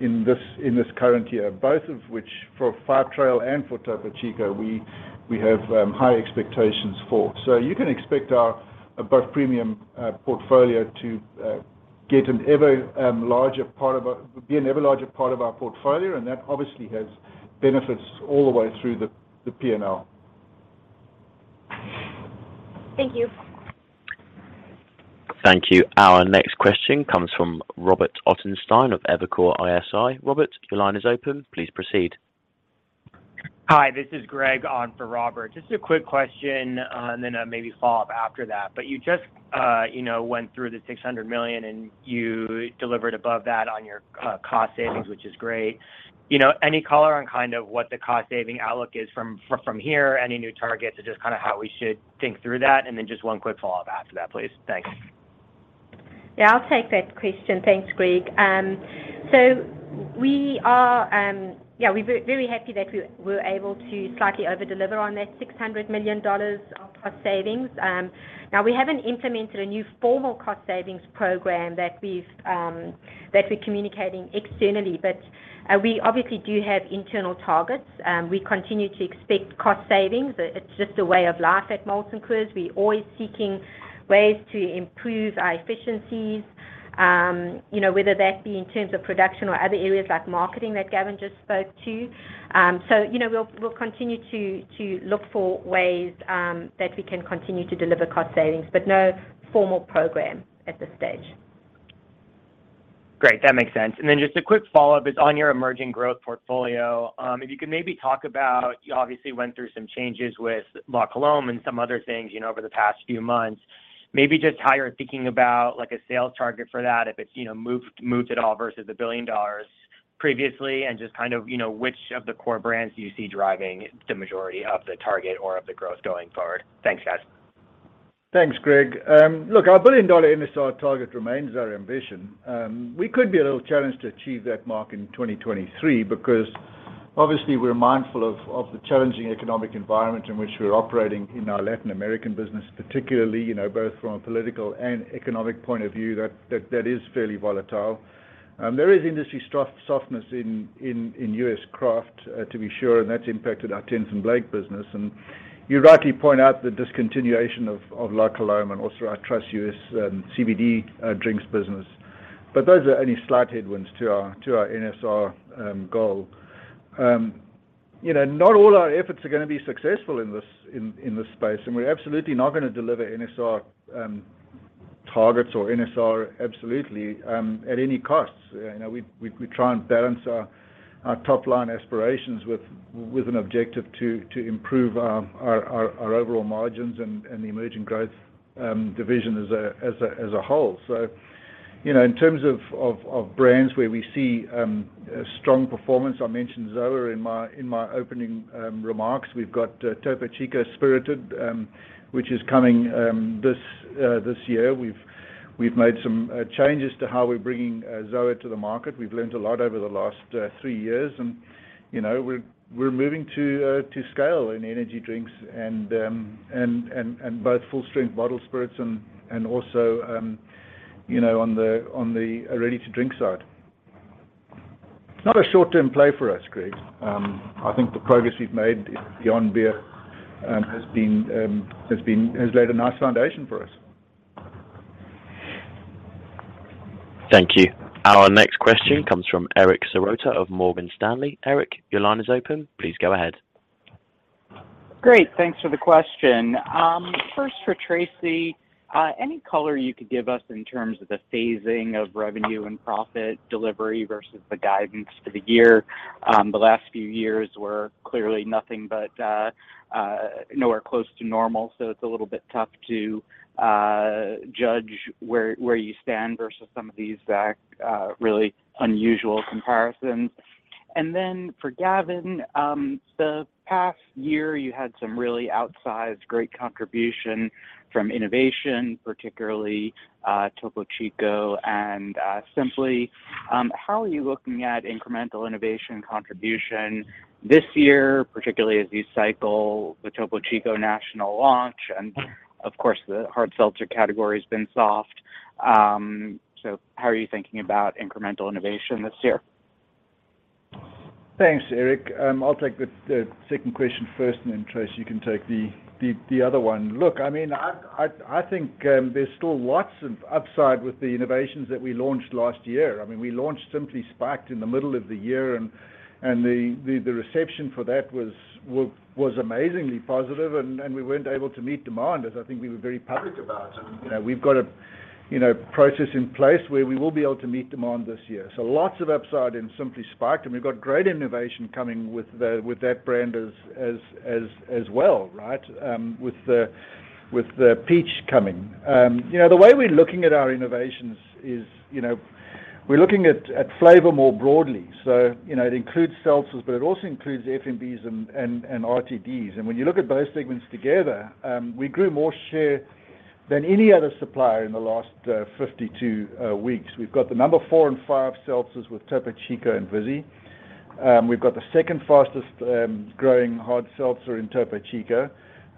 in this current year. Both of which, for Five Trail and for Topo Chico, we have high expectations for. You can expect our Above Premium portfolio to be an ever larger part of our portfolio, and that obviously has benefits all the way through the P&L. Thank you. Thank you. Our next question comes from Robert Ottenstein of Evercore ISI. Robert, your line is open. Please proceed. Hi, this is Greg on for Robert. Just a quick question, then maybe a follow-up after that. You just, you know, went through the $600 million, and you delivered above that on your cost savings- Mm-hmm. -which is great. You know, any color on kind of what the cost saving outlook is from here? Any new targets, or just kind of how we should think through that? Just one quick follow-up after that, please. Thanks. I'll take that question. Thanks, Greg. We're very happy that we were able to slightly over-deliver on that $600 million of cost savings. Now we haven't implemented a new formal cost savings program that we've that we're communicating externally, but we obviously do have internal targets. We continue to expect cost savings. It's just a way of life at Molson Coors. We're always seeking ways to improve our efficiencies, you know, whether that be in terms of production or other areas like marketing that Gavin just spoke to. You know, we'll continue to look for ways that we can continue to deliver cost savings, but no formal program at this stage. Great. That makes sense. Then just a quick follow-up is on your emerging growth portfolio. If you could maybe talk about, you obviously went through some changes with La Colombe and some other things, you know, over the past few months. Maybe just how you're thinking about, like, a sales target for that, if it's, you know, moved at all versus the $1 billion previously, and just kind of, you know, which of the core brands do you see driving the majority of the target or of the growth going forward? Thanks, guys. Thanks, Greg. Look, our billion-dollar NSR target remains our ambition. We could be a little challenged to achieve that mark in 2023 because obviously we're mindful of the challenging economic environment in which we're operating in our Latin American business, particularly, you know, both from a political and economic point of view, that is fairly volatile. There is industry softness in U.S. craft to be sure, and that's impacted our Tenth and Blake business. You rightly point out the discontinuation of La Colombe and also our Truss USA CBD drinks business. Those are only slight headwinds to our NSR goal. You know, not all our efforts are gonna be successful in this space. We're absolutely not gonna deliver NSR targets or NSR absolutely at any cost. You know, we try and balance our top line aspirations with an objective to improve our overall margins and the emerging growth division as a whole. You know, in terms of brands where we see strong performance, I mentioned Zoa in my opening remarks. We've got Topo Chico Spirited, which is coming this year. We've made some changes to how we're bringing Zoa to the market. We've learned a lot over the last three years and, you know, we're moving to scale in energy drinks and both full-strength bottled spirits and also, you know, on the ready-to-drink side. It's not a short-term play for us, Greg. I think the progress we've made Beyond Beer has laid a nice foundation for us. Thank you. Our next question comes from Eric Serotta of Morgan Stanley. Eric, your line is open. Please go ahead. Great, thanks for the question. First for Tracey, any color you could give us in terms of the phasing of revenue and profit delivery versus the guidance for the year? The last few years were clearly nothing but nowhere close to normal, so it's a little bit tough to judge where you stand versus some of these really unusual comparisons. For Gavin, the past year, you had some really outsized great contribution from innovation, particularly Topo Chico and Simply. How are you looking at incremental innovation contribution this year, particularly as you cycle the Topo Chico national launch? The hard seltzer category's been soft. How are you thinking about incremental innovation this year? Thanks, Eric. I'll take the second question first, and then Tracey, you can take the other one. Look, I mean, I think there's still lots of upside with the innovations that we launched last year. I mean, we launched Simply Spiked in the middle of the year, the reception for that was amazingly positive, we weren't able to meet demand, as I think we were very public about. You know, we've got a, you know, process in place where we will be able to meet demand this year. Lots of upside in Simply Spiked, we've got great innovation coming with that brand as well, right, with the peach coming. you know, the way we're looking at our innovations is, we're looking at flavor more broadly. you know, it includes seltzers, but it also includes FMBs and RTDs. When you look at those segments together, we grew more share than any other supplier in the last 52 weeks. We've got the number four and five seltzers with Topo Chico and Vizzy. We've got the second fastest growing hard seltzer in Topo Chico.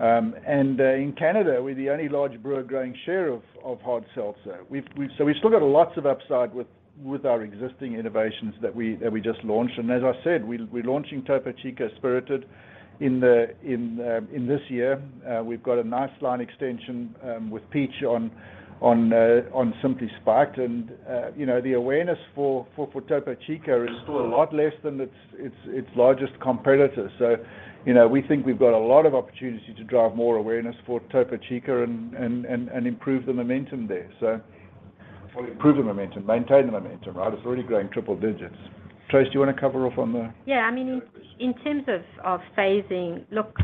In Canada, we're the only large brewer growing share of hard seltzer. We've still got lots of upside with our existing innovations that we just launched. As I said, we're launching Topo Chico Spirited in this year. We've got a nice line extension, with Peach on Simply Spiked. You know, the awareness for Topo Chico is still a lot less than its largest competitor. You know, we think we've got a lot of opportunity to drive more awareness for Topo Chico and improve the momentum there. Improve the momentum, maintain the momentum, right? It's already growing triple digits. Tracey, do you wanna cover off on the. I mean, in terms of phasing, look,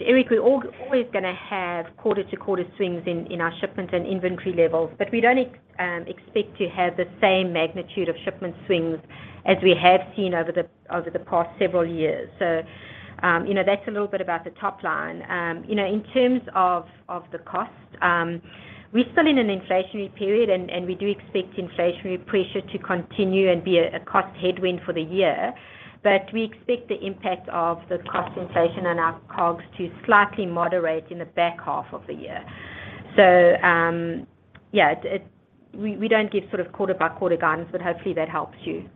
Eric, we're always gonna have quarter to quarter swings in our shipments and inventory levels, but we don't expect to have the same magnitude of shipment swings as we have seen over the past several years. You know, that's a little bit about the top line. You know, in terms of the cost, we're still in an inflationary period, and we do expect inflationary pressure to continue and be a cost headwind for the year. We expect the impact of the cost inflation on our COGS to slightly moderate in the back half of the year. Yeah, we don't give sort of quarter by quarter guidance, but hopefully that helps you.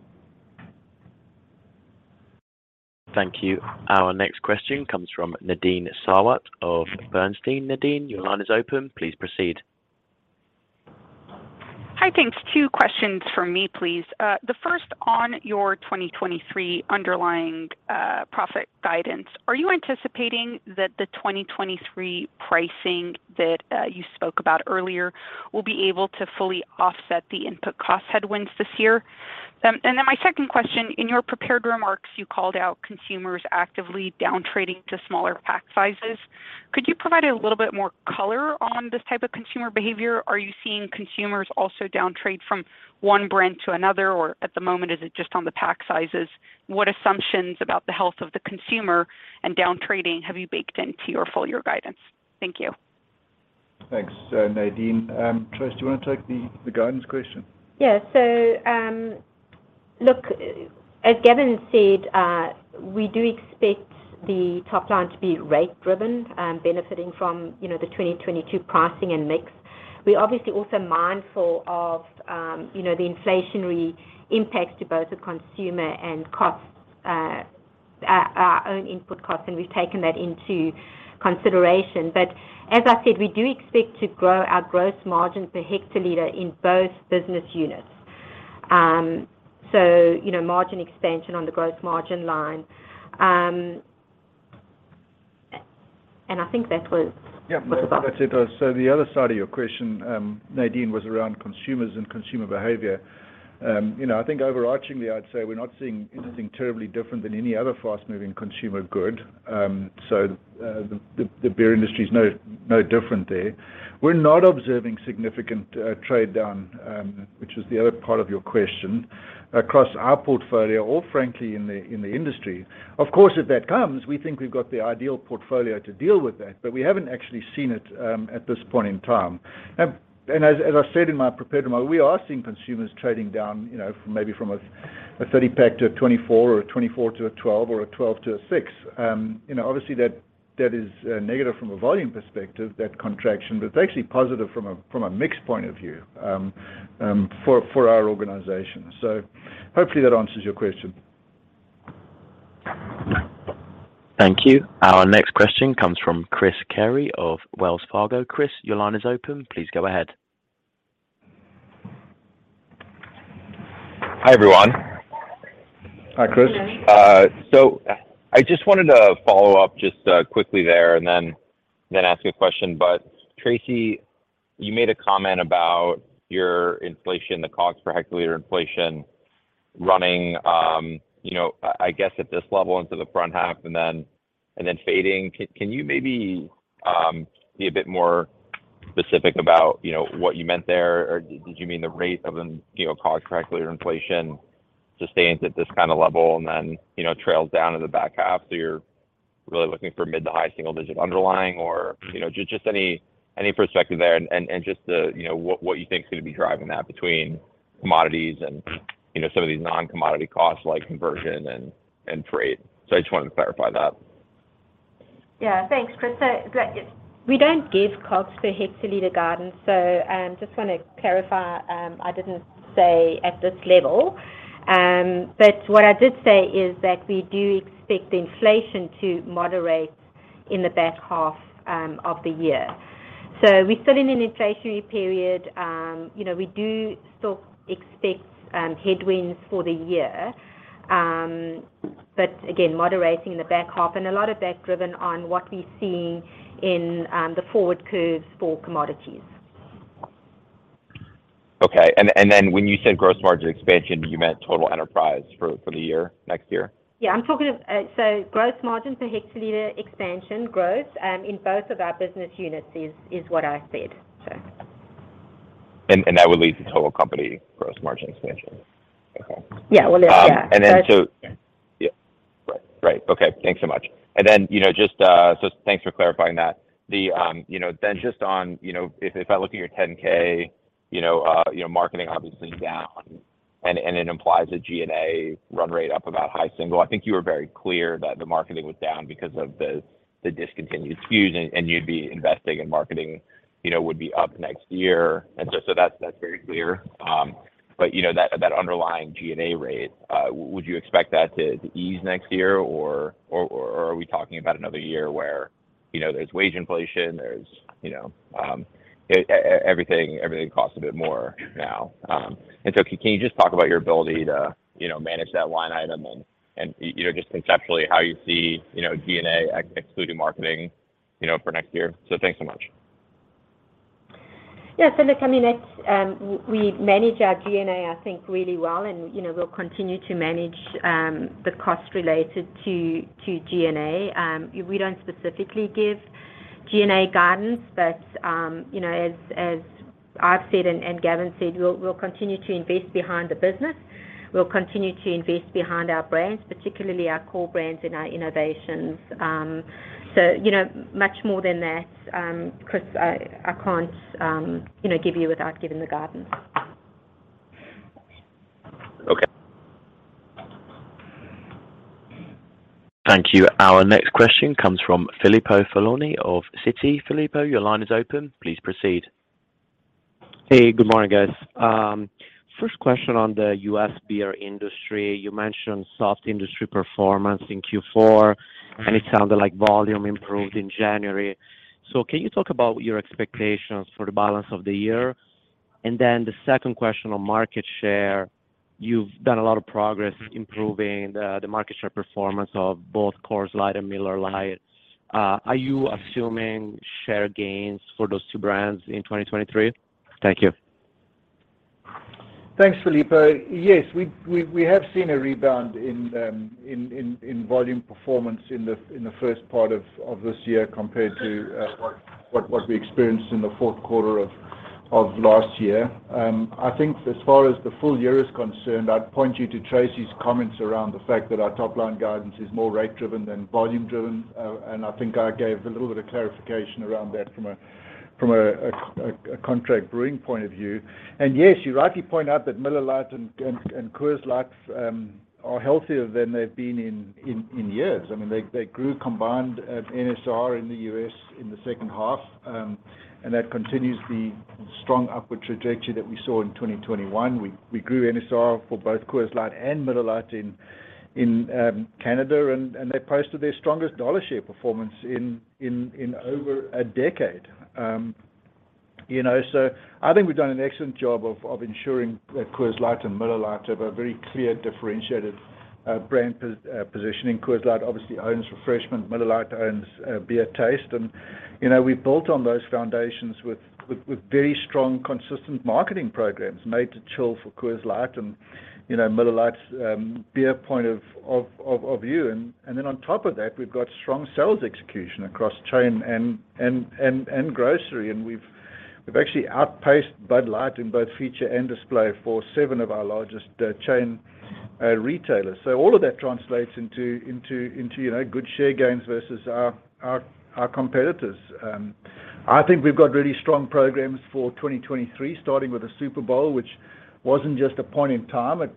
Thank you. Our next question comes from Nadine Sarwat of Bernstein. Nadine, your line is open. Please proceed. Hi. Thanks. Two questions from me, please. The first on your 2023 underlying profit guidance. Are you anticipating that the 2023 pricing that you spoke about earlier will be able to fully offset the input cost headwinds this year? My second question, in your prepared remarks, you called out consumers actively down-trading to smaller pack sizes. Could you provide a little bit more color on this type of consumer behavior? Are you seeing consumers also down-trade from one brand to another, or at the moment, is it just on the pack sizes? What assumptions about the health of the consumer and down-trading have you baked into your full year guidance? Thank you. Thanks, Nadine. Tracey, do you wanna take the guidance question? Look, as Gavin said, we do expect the top line to be rate driven, benefiting from, you know, the 2022 pricing and mix. We're obviously also mindful of, you know, the inflationary impacts to both the consumer and costs, our own input costs, and we've taken that into consideration. As I said, we do expect to grow our gross margin per hectoliter in both business units. Margin expansion on the gross margin line. I think that was- Yeah. Was the question. That's it. The other side of your question, Nadine, was around consumers and consumer behavior. You know, I think overarchingly, I'd say we're not seeing anything terribly different than any other fast-moving consumer good. The beer industry is no different there. We're not observing significant trade down, which is the other part of your question, across our portfolio or frankly, in the industry. Of course, if that comes, we think we've got the ideal portfolio to deal with that, but we haven't actually seen it at this point in time. As I said in my prepared remark, we are seeing consumers trading down, you know, from maybe from a 30 pack to a 24 or a 24 to a 12 or a 12 to a six. You know, obviously that is negative from a volume perspective, that contraction, but it's actually positive from a, from a mix point of view, for our organization. Hopefully that answers your question. Thank you. Our next question comes from Chris Carey of Wells Fargo. Chris, your line is open. Please go ahead. Hi, everyone. Hi, Chris. Good morning. I just wanted to follow up just quickly there and then ask a question. Tracey, you made a comment about your inflation, the cost per hectoliter inflation running, you know, I guess at this level into the front half and then fading. Can you maybe be a bit more specific about, you know, what you meant there? Did you mean the rate of the, you know, cost per hectoliter inflation sustaining at this kinda level and then, you know, trails down in the back half, so you're really looking for mid to high single digit underlying? You know, just any perspective there and just the, you know, what you think is gonna be driving that between commodities and, you know, some of these non-commodity costs like conversion and freight. I just wanted to clarify that. Yeah. Thanks, Chris. Look, we don't give costs per hectoliter guidance, so, just wanna clarify, I didn't say at this level. What I did say is that we do expect inflation to moderate in the back half of the year. We're still in an inflationary period. You know, we do still expect headwinds for the year. Again, moderating in the back half, and a lot of that driven on what we're seeing in the forward curves for commodities. Okay. When you said gross margin expansion, you meant total enterprise for the year, next year? Yeah. I'm talking of gross margin per hectoliter expansion growth in both of our business units is what I said. That would lead to total company gross margin expansion. Yeah. Well, yeah. Yeah. Right. Right. Okay, thanks so much. You know, just, so thanks for clarifying that. The, you know, then just on, you know, if I look at your 10-K, you know, marketing obviously down and, it implies a G&A run rate up about high single. I think you were very clear that the marketing was down because of the discontinued SKUs, and, you'd be investing in marketing, you know, would be up next year. Just so that's very clear. You know that underlying G&A rate, would you expect that to ease next year or, or are we talking about another year where, you know, there's wage inflation, there's, you know, everything costs a bit more now? Can you just talk about your ability to, you know, manage that line item and, you know, just conceptually how you see, you know, G&A excluding marketing, you know, for next year? Thanks so much. Look, I mean, it's, we manage our G&A, I think really well and, you know, we'll continue to manage the cost related to G&A. We don't specifically give G&A guidance. You know, as I've said and Gavin said, we'll continue to invest behind the business. We'll continue to invest behind our brands, particularly our core brands and our innovations. You know, much more than that, Chris, I can't give you without giving the guidance. Okay. Thank you. Our next question comes from Filippo Falorni of Citi. Filippo, your line is open. Please proceed. Hey, good morning, guys. First question on the U.S. beer industry. You mentioned soft industry performance in Q4. It sounded like volume improved in January. Can you talk about your expectations for the balance of the year? The second question on market share, you've done a lot of progress improving the market share performance of both Coors Light and Miller Lite. Are you assuming share gains for those two brands in 2023? Thank you. Thanks, Filippo. Yes. We have seen a rebound in volume performance in the first part of this year compared to what we experienced in the fourth quarter of last year. I think as far as the full year is concerned, I'd point you to Tracey's comments around the fact that our top line guidance is more rate driven than volume driven. I think I gave a little bit of clarification around that from a contract brewing point of view. Yes, you rightly point out that Miller Lite and Coors Light are healthier than they've been in years. I mean, they grew combined NSR in the U.S. in the second half, and that continues the strong upward trajectory that we saw in 2021. We grew NSR for both Coors Light and Miller Lite in Canada. They posted their strongest dollar share performance in over a decade. you know, so I think we've done an excellent job of ensuring that Coors Light and Miller Lite have a very clear differentiated brand positioning. Coors Light obviously owns refreshment, Miller Lite owns beer taste. you know, we built on those foundations with very strong consistent marketing programs made to chill for Coors Light and, you know, Miller Lite's beer point of view. Then on top of that, we've got strong sales execution across chain and grocery, and we've actually outpaced Bud Light in both feature and display for seven of our largest chain retailers. All of that translates into, you know, good share gains versus our competitors. I think we've got really strong programs for 2023, starting with the Super Bowl, which wasn't just a point in time. It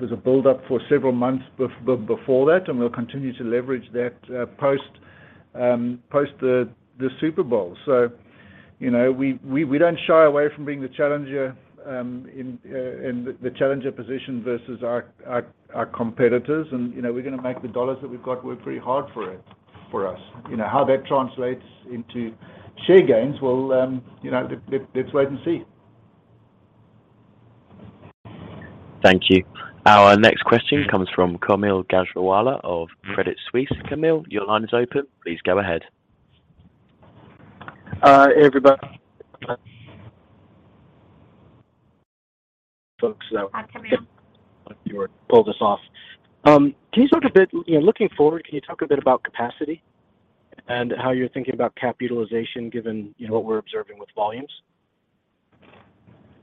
was a build-up for several months before that, and we'll continue to leverage that post the Super Bowl. You know, we don't shy away from being the challenger in the challenger position versus our competitors. You know, we're gonna make the dollars that we've got work very hard for us. You know, how that translates into share gains, we'll, you know, let's wait and see. Thank you. Our next question comes from Kaumil Gajrawala of Credit Suisse. Kaumil, your line is open. Please go ahead. Everybody. Folks. Hi, Kaumil. You pull this off. Can you talk a bit, you know, looking forward, can you talk a bit about capacity and how you're thinking about cap utilization given, you know, what we're observing with volumes?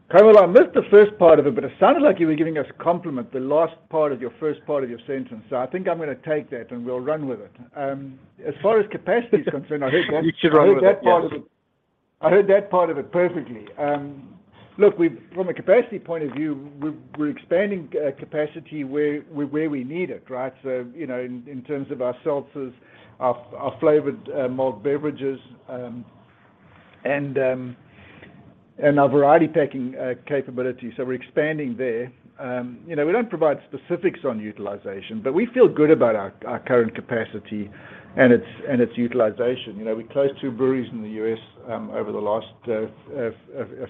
Kaumil, I missed the first part of it sounded like you were giving us a compliment, the last part of your first part of your sentence. I think I'm gonna take that, and we'll run with it. As far as capacity is concerned, I heard that- You should run with it. Yes. I heard that part of it perfectly. Look, from a capacity point of view, we're expanding capacity where we need it, right? You know, in terms of our seltzers, our flavored malt beverages, and our variety packing capability. We're expanding there. You know, we don't provide specifics on utilization, but we feel good about our current capacity and its utilization. You know, we closed two breweries in the U.S. over the last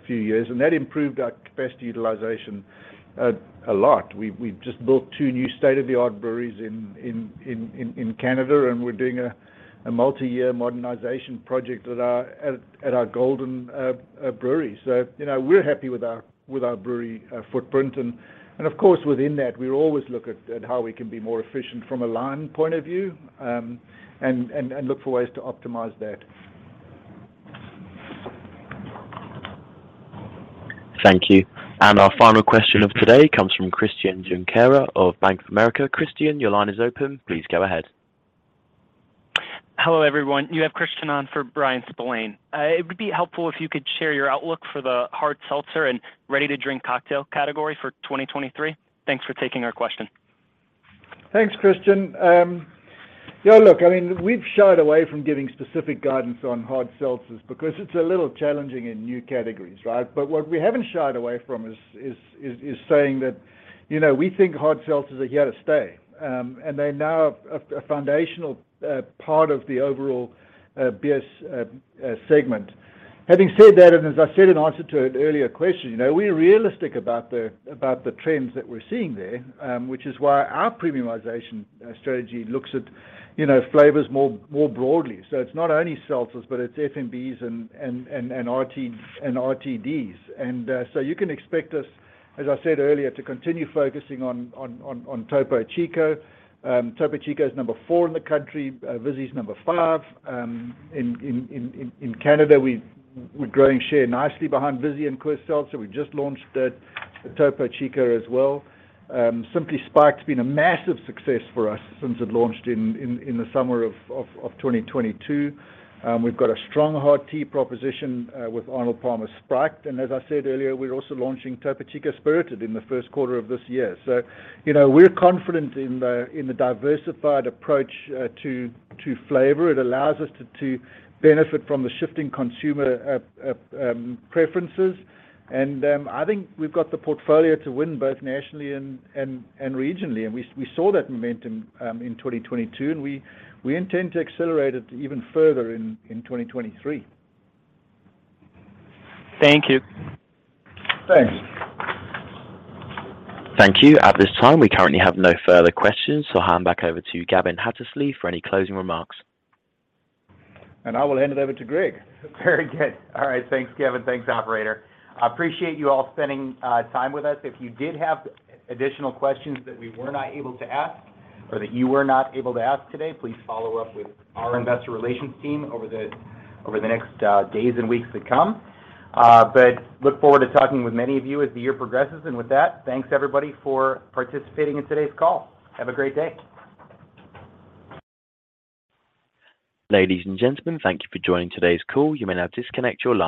few years, and that improved our capacity utilization a lot. We've just built two new state-of-the-art breweries in Canada, and we're doing a multi-year modernization project at our Golden brewery. you know, we're happy with our brewery footprint. Of course, within that, we always look at how we can be more efficient from a line point of view, and look for ways to optimize that. Thank you. Our final question of today comes from Christian Junquera of Bank of America. Christian, your line is open. Please go ahead. Hello, everyone. You have Christian on for Bryan Spillane. It would be helpful if you could share your outlook for the hard seltzer and ready-to-drink cocktail category for 2023. Thanks for taking our question. Thanks, Christian. Yeah, look, I mean, we've shied away from giving specific guidance on hard seltzers because it's a little challenging in new categories, right? What we haven't shied away from is saying that, you know, we think hard seltzers are here to stay. They're now a foundational part of the overall beers segment. Having said that, as I said in answer to an earlier question, you know, we're realistic about the trends that we're seeing there, which is why our premiumization strategy looks at, you know, flavors more broadly. So it's not only seltzers, but it's FMBs and RTDs. So you can expect us, as I said earlier, to continue focusing on Topo Chico. Topo Chico is number four in the country. Vizzy is number five. In Canada, we're growing share nicely behind Vizzy and Coors Seltzer. We've just launched the Topo Chico as well. Simply Spiked's been a massive success for us since it launched in the summer of 2022. We've got a strong hard tea proposition with Arnold Palmer Spiked. As I said earlier, we're also launching Topo Chico Spirited in the first quarter of this year. You know, we're confident in the diversified approach to flavor. It allows us to benefit from the shifting consumer preferences. I think we've got the portfolio to win both nationally and regionally. We saw that momentum in 2022, and we intend to accelerate it even further in 2023. Thank you. Thanks. Thank you. At this time, we currently have no further questions, so I'll hand back over to Gavin Hattersley for any closing remarks. I will hand it over to Greg. Very good. All right. Thanks, Gavin. Thanks, operator. I appreciate you all spending time with us. If you did have additional questions that we were not able to ask or that you were not able to ask today, please follow up with our investor relations team over the next days and weeks to come. Look forward to talking with many of you as the year progresses. With that, thanks everybody for participating in today's call. Have a great day. Ladies and gentlemen, thank you for joining today's call. You may now disconnect your line.